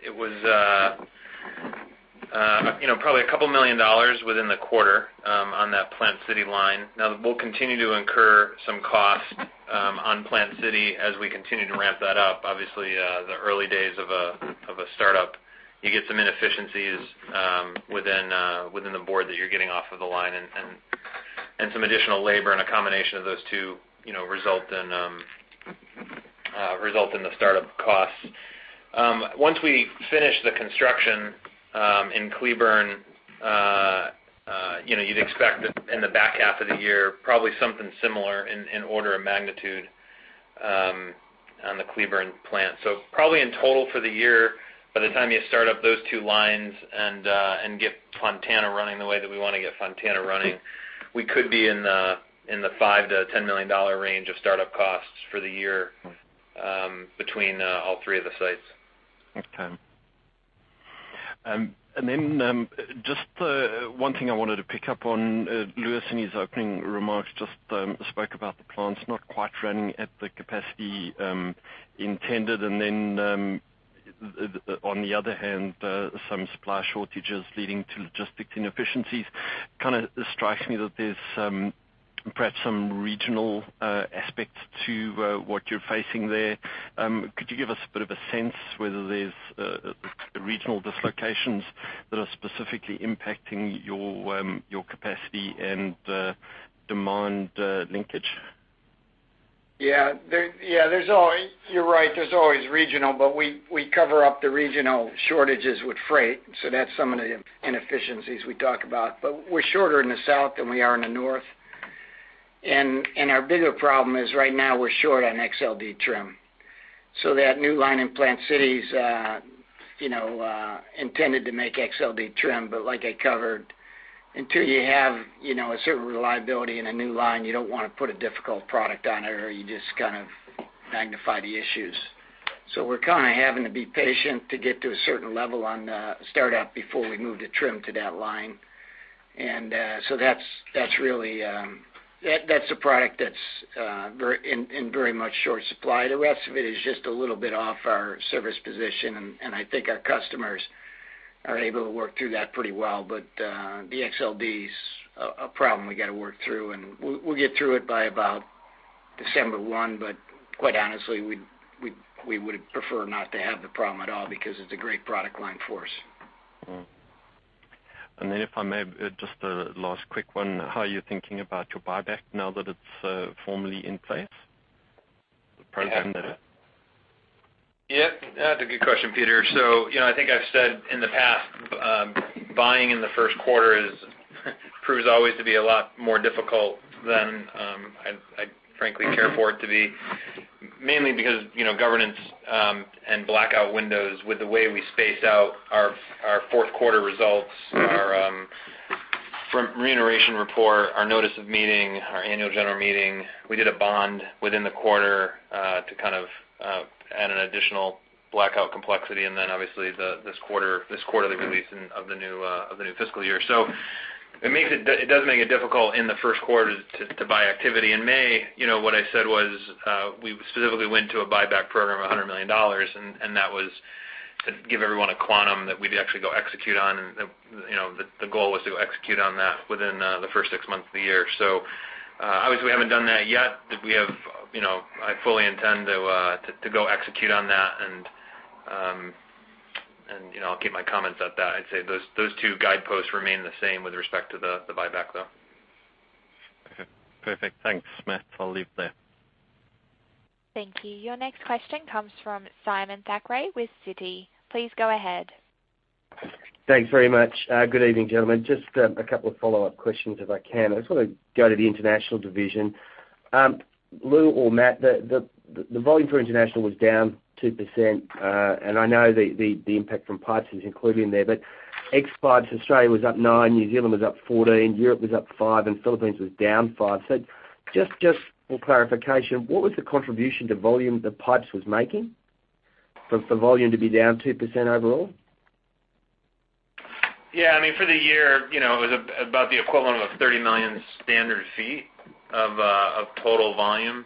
it was, you know, probably $2 million within the quarter, on that Plant City line. Now, we'll continue to incur some costs, on Plant City as we continue to ramp that up. Obviously, the early days of a startup, you get some inefficiencies, within the board that you're getting off of the line and some additional labor, and a combination of those two, you know, result in the startup costs. Once we finish the construction, in Cleburne, you know, you'd expect that in the back half of the year, probably something similar in order of magnitude, on the Cleburne plant. Probably in total for the year, by the time you start up those two lines and get Fontana running the way that we want to get Fontana running, we could be in the $5-$10 million range of startup costs for the year between all three of the sites. Okay. And then, just, one thing I wanted to pick up on, Louis, in his opening remarks, just, spoke about the plants not quite running at the capacity, intended, and then, on the other hand, some supply shortages leading to logistics inefficiencies. Kind of strikes me that there's some, perhaps some regional, aspect to, what you're facing there. Could you give us a bit of a sense whether there's, regional dislocations that are specifically impacting your, your capacity and, demand, linkage? Yeah, you're right, there's always regional, but we cover up the regional shortages with freight, so that's some of the inefficiencies we talk about. But we're shorter in the south than we are in the north. And our bigger problem is right now we're short on XLD trim. So that new line in Plant City's intended to make XLD trim, but like I covered, until you have you know a certain reliability in a new line, you don't want to put a difficult product on it, or you just kind of magnify the issues. So we're kind of having to be patient to get to a certain level on the startup before we move the trim to that line. And so that's really a product that's in very much short supply. The rest of it is just a little bit off our service position, and I think our customers are able to work through that pretty well. But the XLD's a problem we got to work through, and we'll get through it by about December one, but quite honestly, we would prefer not to have the problem at all because it's a great product line for us. Mm-hmm. And then if I may, just a last quick one, how are you thinking about your buyback now that it's formally in place? The present day. Yeah, that's a good question, Peter. So, you know, I think I've said in the past, buying in the Q1 is proves always to be a lot more difficult than, I'd frankly care for it to be. Mainly because, you know, governance, and blackout windows, with the way we space out our, our Q4 results, our, from remuneration report, our notice of meeting, our annual general meeting, we did a bond within the quarter, to kind of, add an additional blackout complexity, and then obviously this quarter, this quarterly release of the new, of the new fiscal year. So it makes it, it does make it difficult in the Q1 to buy activity. In May, you know, what I said was, we specifically went to a buyback program of $100 million, and that was to give everyone a quantum that we'd actually go execute on. And, you know, the goal was to execute on that within the first six months of the year. So, obviously, we haven't done that yet, but we have, you know, I fully intend to go execute on that. And, you know, I'll keep my comments at that. I'd say those two guideposts remain the same with respect to the buyback, though. ...Perfect. Thanks, Matt. I'll leave it there. Thank you. Your next question comes from Simon Thackray with Citi. Please go ahead. Thanks very much. Good evening, gentlemen. Just a couple of follow-up questions, if I can. I just wanna go to the international division. Lou or Matt, the volume for international was down 2%, and I know the impact from pipes is included in there, but ex-pipes, Australia was up nine, New Zealand was up 14, Europe was up five, and Philippines was down five. So just for clarification, what was the contribution to volume that pipes was making for volume to be down 2% overall? Yeah, I mean, for the year, you know, it was about the equivalent of 30 million MSF of total volume.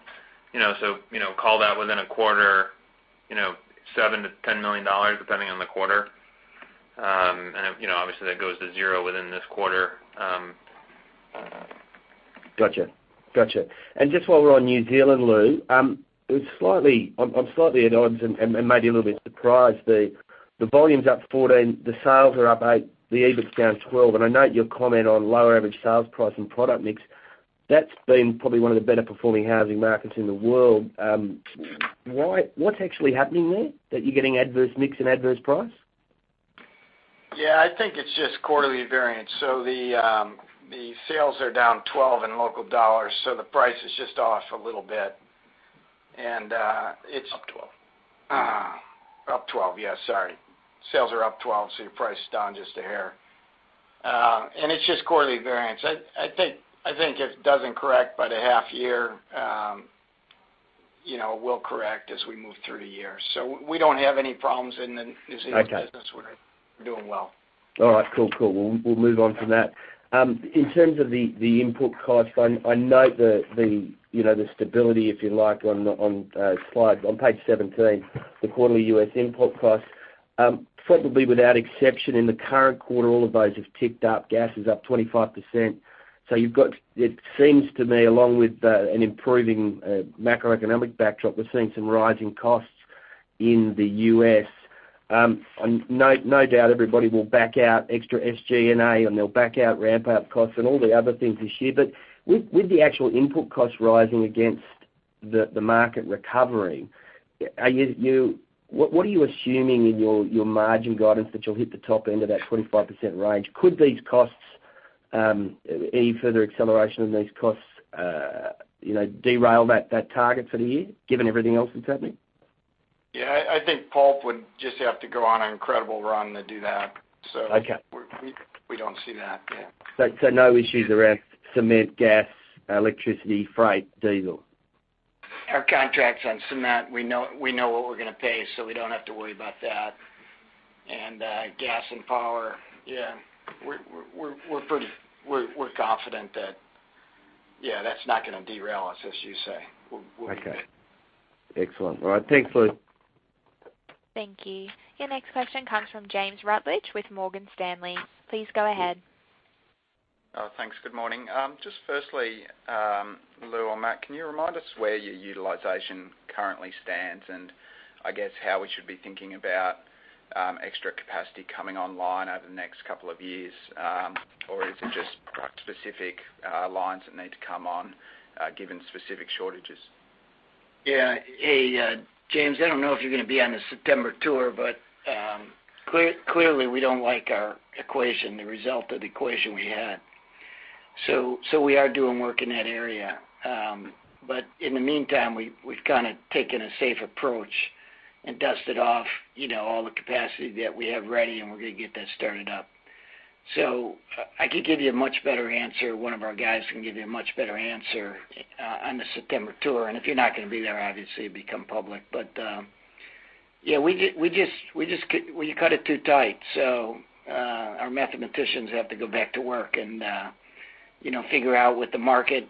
You know, so, you know, call that within a quarter, you know, $7 million-$10 million, depending on the quarter. And, you know, obviously, that goes to zero within this quarter. Gotcha. Gotcha. And just while we're on New Zealand, Lou, it was slightly. I'm slightly at odds and, maybe a little bit surprised. The volume's up 14, the sales are up 8, the EBIT's down 12. And I note your comment on lower average sales price and product mix. That's been probably one of the better performing housing markets in the world. Why what's actually happening there, that you're getting adverse mix and adverse price? Yeah, I think it's just quarterly variance. So the sales are down 12 in local dollars, so the price is just off a little bit. And, it's- Up 12. Up 12, yeah, sorry. Sales are up 12, so your price is down just a hair. And it's just quarterly variance. I think if it doesn't correct by the half year, you know, we'll correct as we move through the year. So we don't have any problems in the New Zealand- Okay. Business. We're doing well. All right, cool, cool. We'll move on from that. In terms of the input costs, I note that the, you know, the stability, if you like, on the slide on page 17, the quarterly U.S. input costs. Probably without exception in the current quarter, all of those have ticked up. Gas is up 25%. So you've got... It seems to me, along with an improving macroeconomic backdrop, we're seeing some rising costs in the US. And no doubt, everybody will back out extra SG&A, and they'll back out ramp-up costs and all the other things this year. But with the actual input costs rising against the market recovery, are you what are you assuming in your margin guidance that you'll hit the top end of that 25% range? Could these costs, any further acceleration of these costs, you know, derail that target for the year, given everything else that's happening? Yeah, I think pulp would just have to go on an incredible run to do that, so. Okay. We don't see that, yeah. So, no issues around cement, gas, electricity, freight, diesel? Our contracts on cement, we know, we know what we're gonna pay, so we don't have to worry about that. And gas and power, yeah, we're pretty confident that, yeah, that's not gonna derail us, as you say. We'll, we'll- Okay. Excellent. All right. Thanks, Lou. Thank you. Your next question comes from James Rutledge with Morgan Stanley. Please go ahead. Thanks. Good morning. Just firstly, Lou or Matt, can you remind us where your utilization currently stands? And I guess how we should be thinking about extra capacity coming online over the next couple of years? Or is it just product specific lines that need to come on given specific shortages? Yeah. Hey, James, I don't know if you're gonna be on the September tour, but clearly, we don't like our equation, the result of the equation we had. So we are doing work in that area. But in the meantime, we've kind of taken a safe approach and dusted off, you know, all the capacity that we have ready, and we're gonna get that started up. So I could give you a much better answer, one of our guys can give you a much better answer on the September tour. And if you're not gonna be there, obviously, it'll become public. But yeah, we cut it too tight. Our mathematicians have to go back to work and, you know, figure out what the market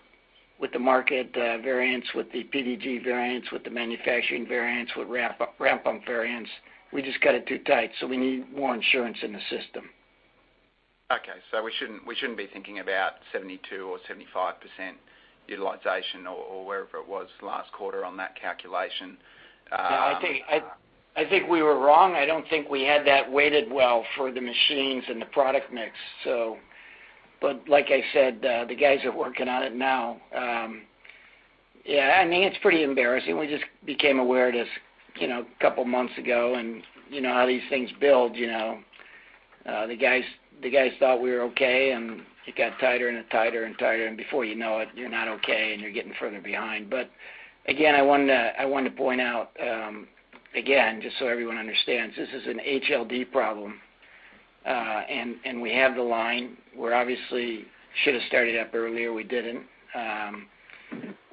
variance, what the PDG variance, what the manufacturing variance, what ramp up variance. We just cut it too tight, so we need more insurance in the system. Okay, so we shouldn't be thinking about 72% or 75% utilization or wherever it was last quarter on that calculation. Yeah, I think we were wrong. I don't think we had that weighted well for the machines and the product mix, so... But like I said, the guys are working on it now. Yeah, I mean, it's pretty embarrassing. We just became aware of this, you know, a couple of months ago, and you know how these things build, you know. The guys thought we were okay, and it got tighter and tighter and tighter, and before you know it, you're not okay, and you're getting further behind. But again, I wanted to point out, again, just so everyone understands, this is an XLD problem. And we have the line. We obviously should have started up earlier, we didn't.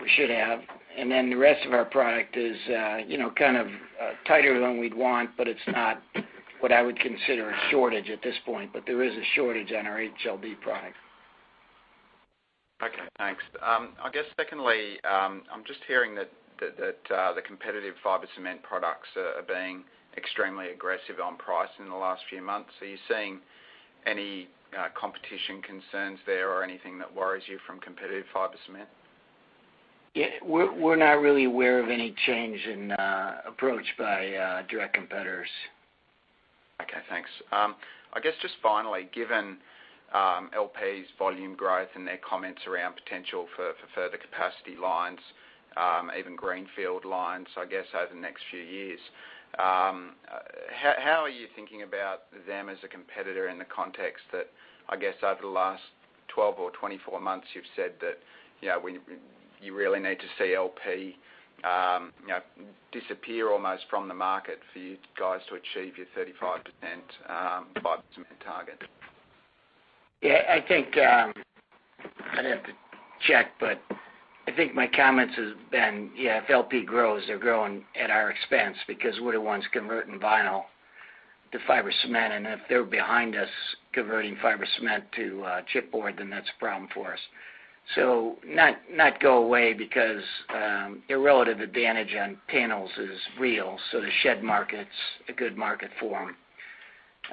We should have. And then the rest of our product is, you know, kind of, tighter than we'd want, but it's not what I would consider a shortage at this point, but there is a shortage on our XLD product. Okay, thanks. I guess secondly, I'm just hearing that the competitive fiber cement products are being extremely aggressive on pricing in the last few months. Are you seeing any competition concerns there or anything that worries you from competitive fiber cement? Yeah, we're not really aware of any change in approach by direct competitors.... Okay, thanks. I guess just finally, given LP's volume growth and their comments around potential for further capacity lines, even greenfield lines, I guess, over the next few years, how are you thinking about them as a competitor in the context that, I guess, over the last twelve or twenty-four months, you've said that, you know, when you really need to see LP, you know, disappear almost from the market for you guys to achieve your 35% fiber cement target? Yeah, I think, I'd have to check, but I think my comments has been, yeah, if LP grows, they're growing at our expense because we're the ones converting vinyl to fiber cement, and if they're behind us converting fiber cement to, chipboard, then that's a problem for us. So not go away because, their relative advantage on panels is real, so the shed market's a good market for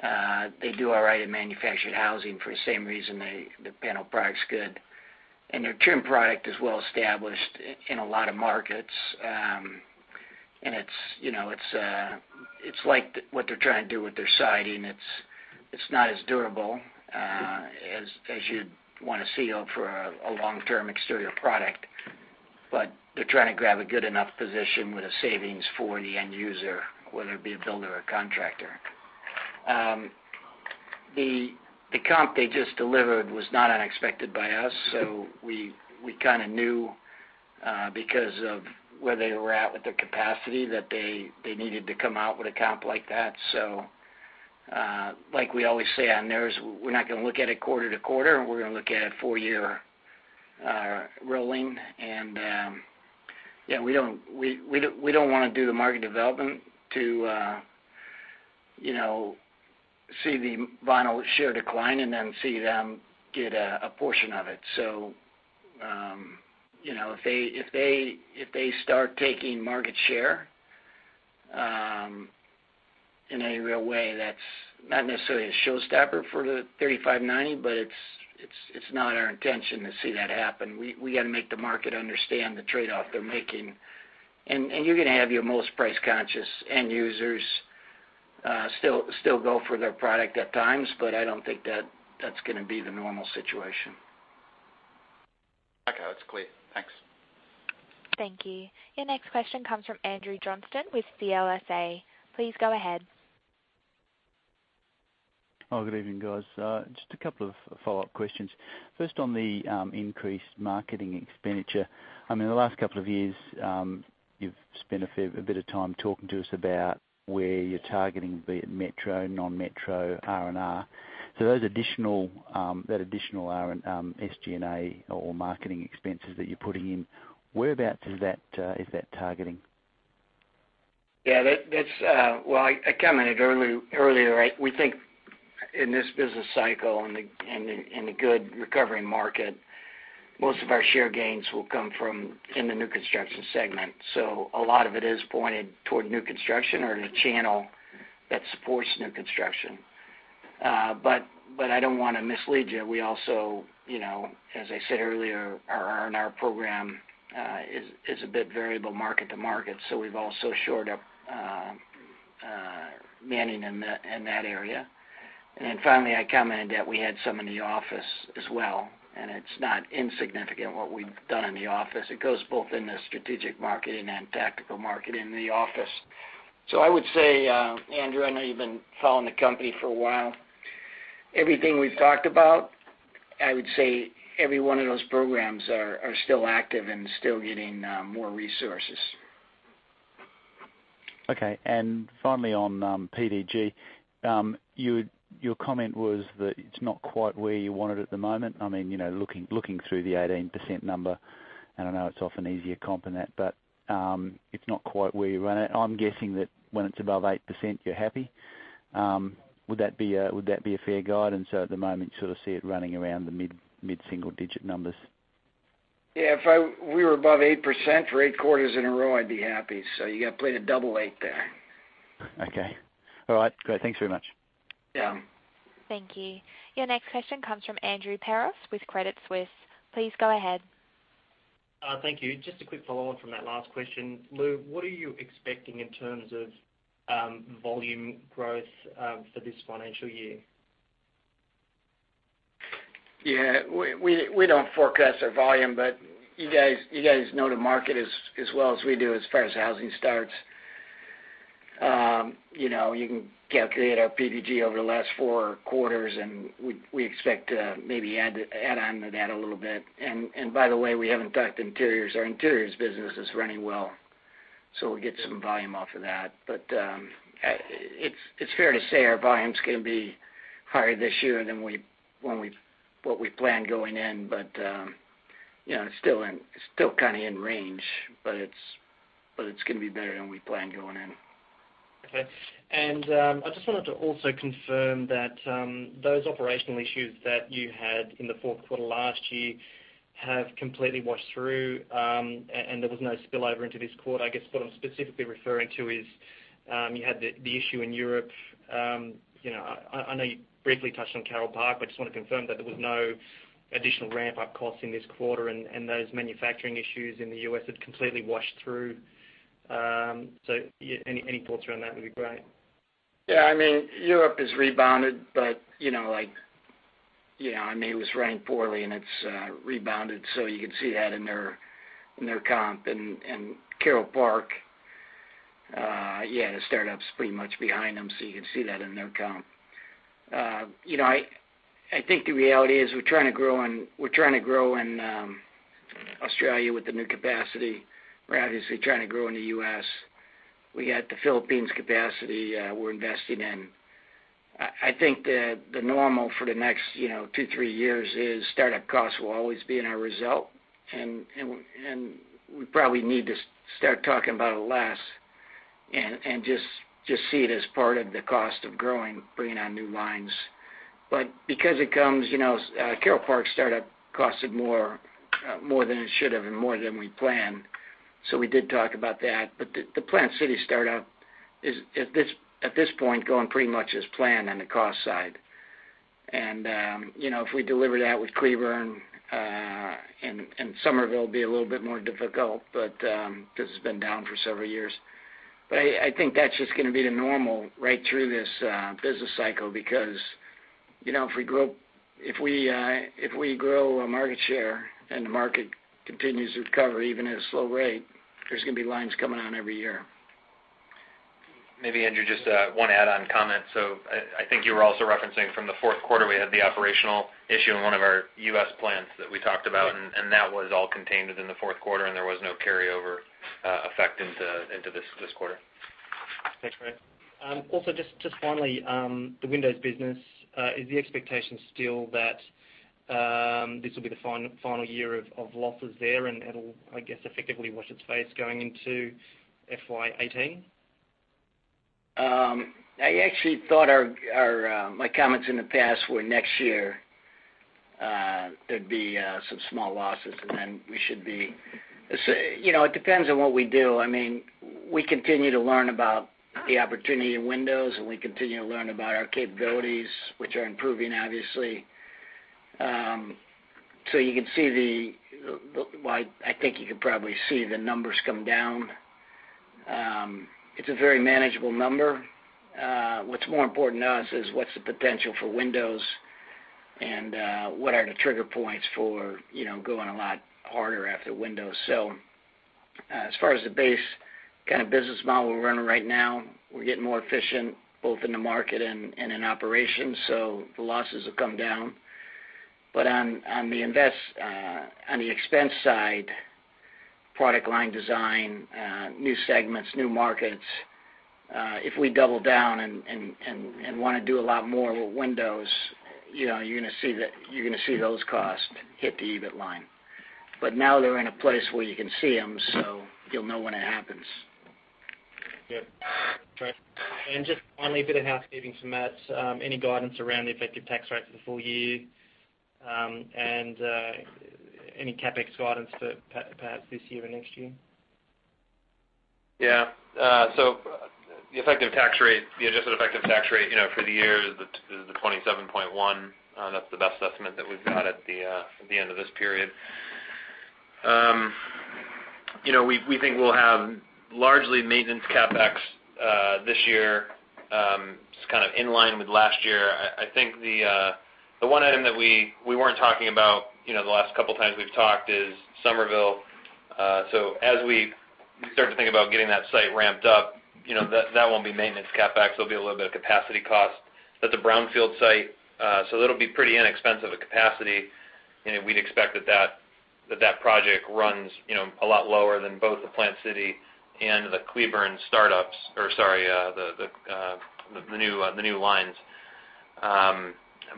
them. They do all right in manufactured housing for the same reason they, the panel product's good. And their trim product is well established in a lot of markets. And it's, you know, it's like what they're trying to do with their siding. It's not as durable as you'd wanna see for a long-term exterior product, but they're trying to grab a good enough position with a savings for the end user, whether it be a builder or contractor. The comp they just delivered was not unexpected by us, so we kind of knew because of where they were at with their capacity that they needed to come out with a comp like that. So, like we always say on narratives, we're not gonna look at it quarter-to-quarter. We're gonna look at it four-year rolling, and yeah, we don't wanna do the market development to you know see the vinyl share decline and then see them get a portion of it. You know, if they start taking market share in any real way, that's not necessarily a showstopper for the thirty-five, ninety, but it's not our intention to see that happen. We gotta make the market understand the trade-off they're making. You're gonna have your most price-conscious end users still go for their product at times, but I don't think that's gonna be the normal situation. Okay, that's clear. Thanks. Thank you. Your next question comes from Andrew Johnston with CLSA. Please go ahead. Oh, good evening, guys. Just a couple of follow-up questions. First, on the increased marketing expenditure. I mean, the last couple of years, you've spent a fair bit of time talking to us about where you're targeting, be it metro, non-metro, R&R. So those additional, that additional R&R, SG&A or marketing expenses that you're putting in, whereabouts is that targeting? Yeah, that's well, I commented earlier, right? We think in this business cycle, in a good recovering market, most of our share gains will come from in the new construction segment. So a lot of it is pointed toward new construction or the channel that supports new construction. But I don't wanna mislead you. We also, you know, as I said earlier, our R&R program is a bit variable market to market, so we've also shored up manning in that area. And then finally, I commented that we had some in the office as well, and it's not insignificant what we've done in the office. It goes both in the strategic marketing and tactical marketing in the office. So I would say, Andrew, I know you've been following the company for a while. Everything we've talked about, I would say every one of those programs are still active and still getting more resources. Okay. And finally, on PDG, your comment was that it's not quite where you want it at the moment. I mean, you know, looking through the 18% number, and I know it's often easier comping that, but it's not quite where you want it. I'm guessing that when it's above 8%, you're happy. Would that be a fair guide? And so at the moment, sort of see it running around the mid-single-digit numbers. Yeah, if we were above 8% for eight quarters in a row, I'd be happy. So you gotta play the double eight there. Okay. All right, great. Thanks very much. Yeah. Thank you. Your next question comes from Andrew Peros with Credit Suisse. Please go ahead. Thank you. Just a quick follow-on from that last question. Lou, what are you expecting in terms of volume growth for this financial year? Yeah, we don't forecast our volume, but you guys know the market as well as we do as far as housing starts. You know, you can calculate our PDG over the last four quarters, and we expect to maybe add on to that a little bit. And by the way, we haven't talked interiors. Our interiors business is running well, so we'll get some volume off of that. But it's fair to say our volume's gonna be higher this year than what we planned going in. But you know, it's still kind of in range, but it's gonna be better than we planned going in. Okay. And I just wanted to also confirm that those operational issues that you had in the Q4 last year have completely washed through and there was no spill over into this quarter. I guess what I'm specifically referring to is you had the issue in Europe. You know, I know you briefly touched on Carole Park, but just want to confirm that there was no additional ramp-up costs in this quarter, and those manufacturing issues in the US had completely washed through. So any thoughts around that would be great. Yeah, I mean, Europe has rebounded, but, you know, Yeah, I mean, it was running poorly, and it's rebounded, so you can see that in their comp. And Carole Park, yeah, the startup's pretty much behind them, so you can see that in their comp. You know, I think the reality is we're trying to grow and we're trying to grow in Australia with the new capacity. We're obviously trying to grow in the US. We got the Philippines capacity we're investing in. I think the normal for the next, you know, two, three years is startup costs will always be in our result, and we probably need to start talking about it less and just see it as part of the cost of growing, bringing on new lines. But because it comes, you know, Carole Park startup costed more, more than it should have and more than we planned, so we did talk about that. But the Plant City startup is at this point going pretty much as planned on the cost side. And you know, if we deliver that with Cleburne and Summerville will be a little bit more difficult, but because it's been down for several years. But I think that's just gonna be the normal right through this business cycle, because you know, if we grow our market share and the market continues to recover, even at a slow rate, there's gonna be lines coming on every year. Maybe, Andrew, just one add-on comment. So I think you were also referencing from the Q4, we had the operational issue in one of our U.S. plants that we talked about, and that was all contained within the Q4, and there was no carryover effect into this quarter. Thanks, Matt. Also, just finally, the windows business, is the expectation still that this will be the final year of losses there, and it'll, I guess, effectively wash its face going into FY 2018? I actually thought my comments in the past were next year, there'd be some small losses, and then we should be... So, you know, it depends on what we do. I mean, we continue to learn about the opportunity in windows, and we continue to learn about our capabilities, which are improving, obviously. So you can see the well, I think you can probably see the numbers come down. It's a very manageable number. What's more important to us is what's the potential for windows, and what are the trigger points for, you know, going a lot harder after windows? So, as far as the base kind of business model we're running right now, we're getting more efficient, both in the market and in operations, so the losses will come down. But on the expense side, product line design, new segments, new markets, if we double down and wanna do a lot more with windows, you know, you're gonna see those costs hit the EBIT line. But now they're in a place where you can see them, so you'll know when it happens. Good. Great. And just finally, a bit of housekeeping from Matt. Any guidance around the effective tax rate for the full year, and any CapEx guidance for perhaps this year or next year? Yeah. So the effective tax rate, the adjusted effective tax rate, you know, for the year is the 27.1%. That's the best estimate that we've got at the end of this period. You know, we think we'll have largely maintenance CapEx this year, just kind of in line with last year. I think the one item that we weren't talking about, you know, the last couple times we've talked is Summerville. So as we start to think about getting that site ramped up, you know, that won't be maintenance CapEx. There'll be a little bit of capacity cost at the Brownfield site, so that'll be pretty inexpensive capacity, and we'd expect that project runs, you know, a lot lower than both the Plant City and the Cleburne startups or the new lines.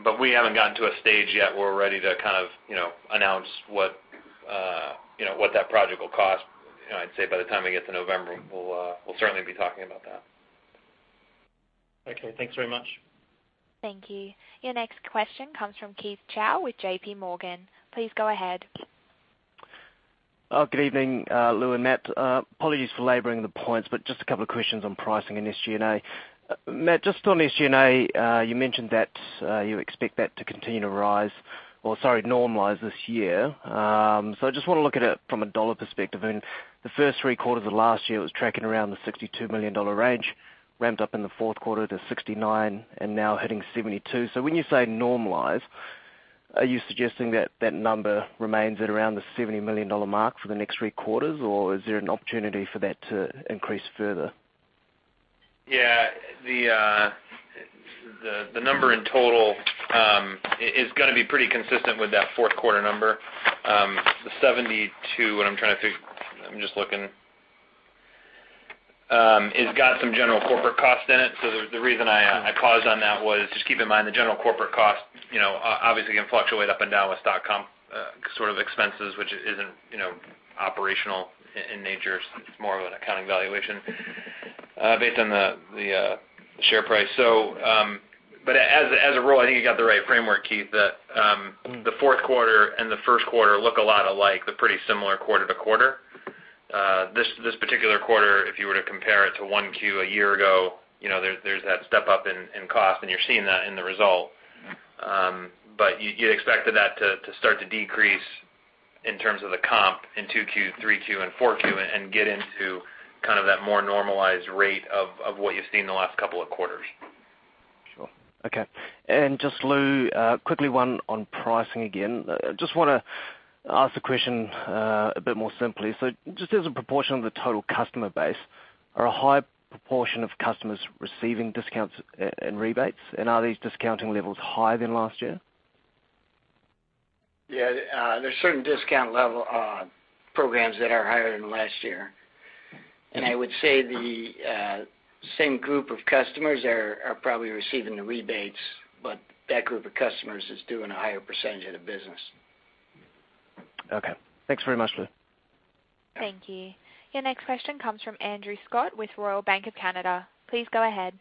But we haven't gotten to a stage yet where we're ready to kind of, you know, announce what, you know, what that project will cost. You know, I'd say by the time we get to November, we'll certainly be talking about that. Okay, thanks very much. Thank you. Your next question comes from Keith Chau with J.P. Morgan. Please go ahead. Good evening, Lou and Matt. Apologies for laboring the points, but just a couple of questions on pricing and SG&A. Matt, just on SG&A, you mentioned that you expect that to continue to rise or, sorry, normalize this year. So I just wanna look at it from a dollar perspective. In the first three quarters of last year, it was tracking around the $62 million range, ramped up in the Q4 to $69 million, and now hitting $72 million. So when you say normalize, are you suggesting that that number remains at around the $70 million mark for the next three quarters, or is there an opportunity for that to increase further? Yeah. The number in total is gonna be pretty consistent with that Q4 number. The seventy-two, what I'm trying to figure. I'm just looking, it's got some general corporate costs in it, so the reason I paused on that was just keep in mind, the general corporate cost, you know, obviously, can fluctuate up and down with stock comp sort of expenses, which isn't, you know, operational in nature. It's more of an accounting valuation based on the share price. So, but as a rule, I think you got the right framework, Keith, that the Q4 and the Q1 look a lot alike. They're pretty similar quarter- to-quarter. This particular quarter, if you were to compare it to one Q a year ago, you know, there's that step up in cost, and you're seeing that in the result. But you expected that to start to decrease? In terms of the comp in two Q, three Q, and four Q, and get into kind of that more normalized rate of what you've seen in the last couple of quarters. Sure. Okay. And just, Lou, quickly, one on pricing again. I just wanna ask the question, a bit more simply. So just as a proportion of the total customer base, are a high proportion of customers receiving discounts and rebates? And are these discounting levels higher than last year? Yeah, there's certain discount level programs that are higher than last year. And I would say the same group of customers are probably receiving the rebates, but that group of customers is doing a higher percentage of the business. Okay. Thanks very much, Lou. Thank you. Your next question comes from Andrew Scott with Royal Bank of Canada. Please go ahead.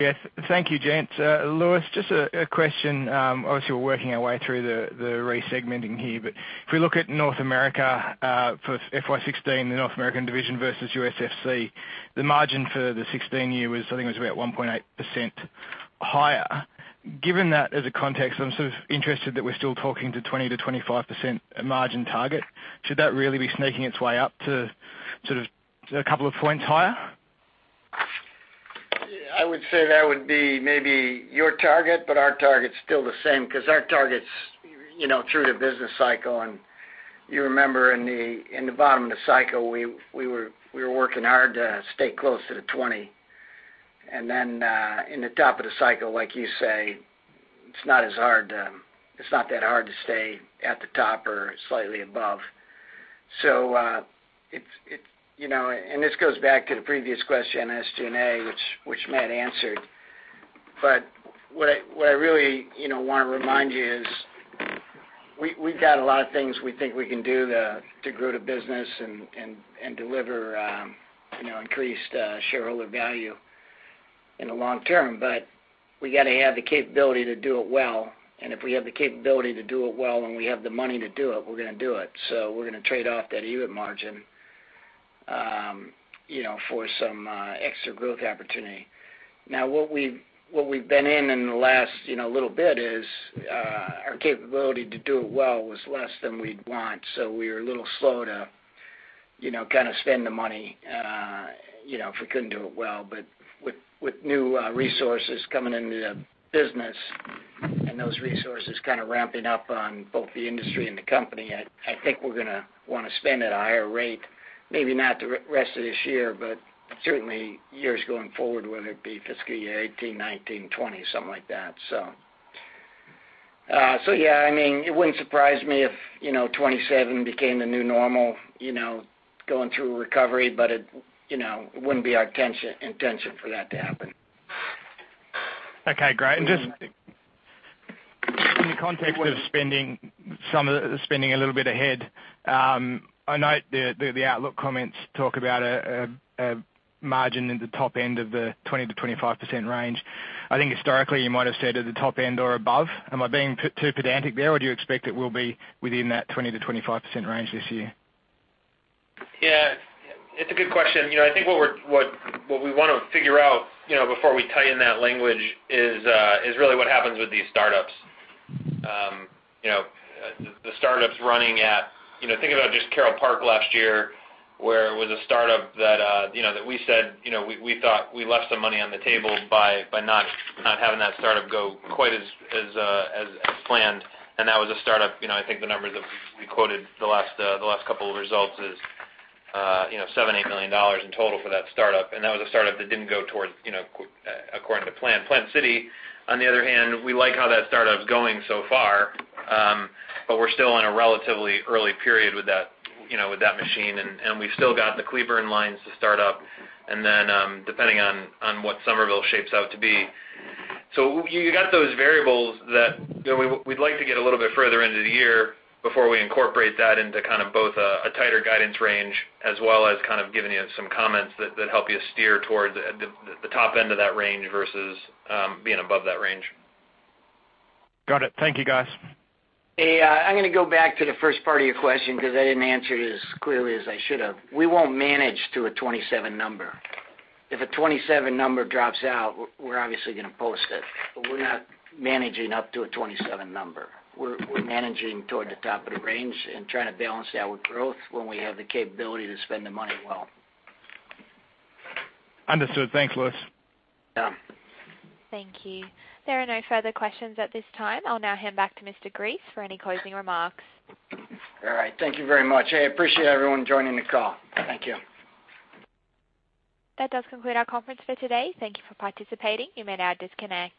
Yes. Thank you, Jane. Louis, just a question. Obviously, we're working our way through the re-segmenting here, but if we look at North America, for FY 2016, the North American division versus USFC, the margin for the 2016 year was, I think, it was about 1.8% higher. Given that as a context, I'm sort of interested that we're still talking to 20%-25% Margin Target. Should that really be sneaking its way up to sort of a couple of points higher? I would say that would be maybe your target, but our target's still the same, 'cause our target's, you know, through the business cycle, and you remember in the bottom of the cycle, we were working hard to stay close to the twenty. And then in the top of the cycle, like you say, it's not as hard, it's not that hard to stay at the top or slightly above, so it's, you know, and this goes back to the previous question in SG&A, which Matt answered, but what I really, you know, wanna remind you is we, we've got a lot of things we think we can do to grow the business and deliver, you know, increased shareholder value in the long term. But we gotta have the capability to do it well, and if we have the capability to do it well, and we have the money to do it, we're gonna do it. So we're gonna trade off that EBIT margin, you know, for some extra growth opportunity. Now, what we've been in in the last you know little bit is our capability to do it well was less than we'd want. So we were a little slow to you know kind of spend the money you know if we couldn't do it well. But with new resources coming into the business, and those resources kind of ramping up on both the industry and the company, I think we're gonna wanna spend at a higher rate. Maybe not the rest of this year, but certainly years going forward, whether it be fiscal year eighteen, nineteen, twenty, something like that, so. So yeah, I mean, it wouldn't surprise me if, you know, twenty-seven became the new normal, you know, going through a recovery, but it, you know, it wouldn't be our intention for that to happen. Okay, great. And just in the context of spending, some of the spending a little bit ahead. I note the outlook comments talk about a margin in the top end of the 20%-25% range. I think historically, you might have said at the top end or above. Am I being too pedantic there, or do you expect it will be within that 20%-25% range this year? Yeah, it's a good question. You know, I think what we wanna figure out, you know, before we tighten that language is really what happens with these startups. You know, think about just Carole Park last year, where it was a startup that, you know, that we said, you know, we thought we left some money on the table by not having that startup go quite as planned. And that was a startup, you know, I think the numbers we quoted the last couple of results is, you know, $7-8 million in total for that startup. And that was a startup that didn't go according to plan. Plant City, on the other hand, we like how that startup's going so far, but we're still in a relatively early period with that, you know, with that machine, and we've still got the Cleburne lines to start up, and then, depending on what Summerville shapes out to be. So you got those variables that, you know, we'd like to get a little bit further into the year before we incorporate that into kind of both a tighter guidance range, as well as kind of giving you some comments that help you steer towards the top end of that range versus being above that range. Got it. Thank you, guys. Hey, I'm gonna go back to the first part of your question because I didn't answer it as clearly as I should have. We won't manage to a twenty-seven number. If a twenty-seven number drops out, we're obviously gonna post it, but we're not managing up to a twenty-seven number. We're managing toward the top of the range and trying to balance that with growth when we have the capability to spend the money well. Understood. Thanks, Louis. Yeah. Thank you. There are no further questions at this time. I'll now hand back to Mr. Gries for any closing remarks. All right. Thank you very much. I appreciate everyone joining the call. Thank you. That does conclude our conference for today. Thank you for participating. You may now disconnect.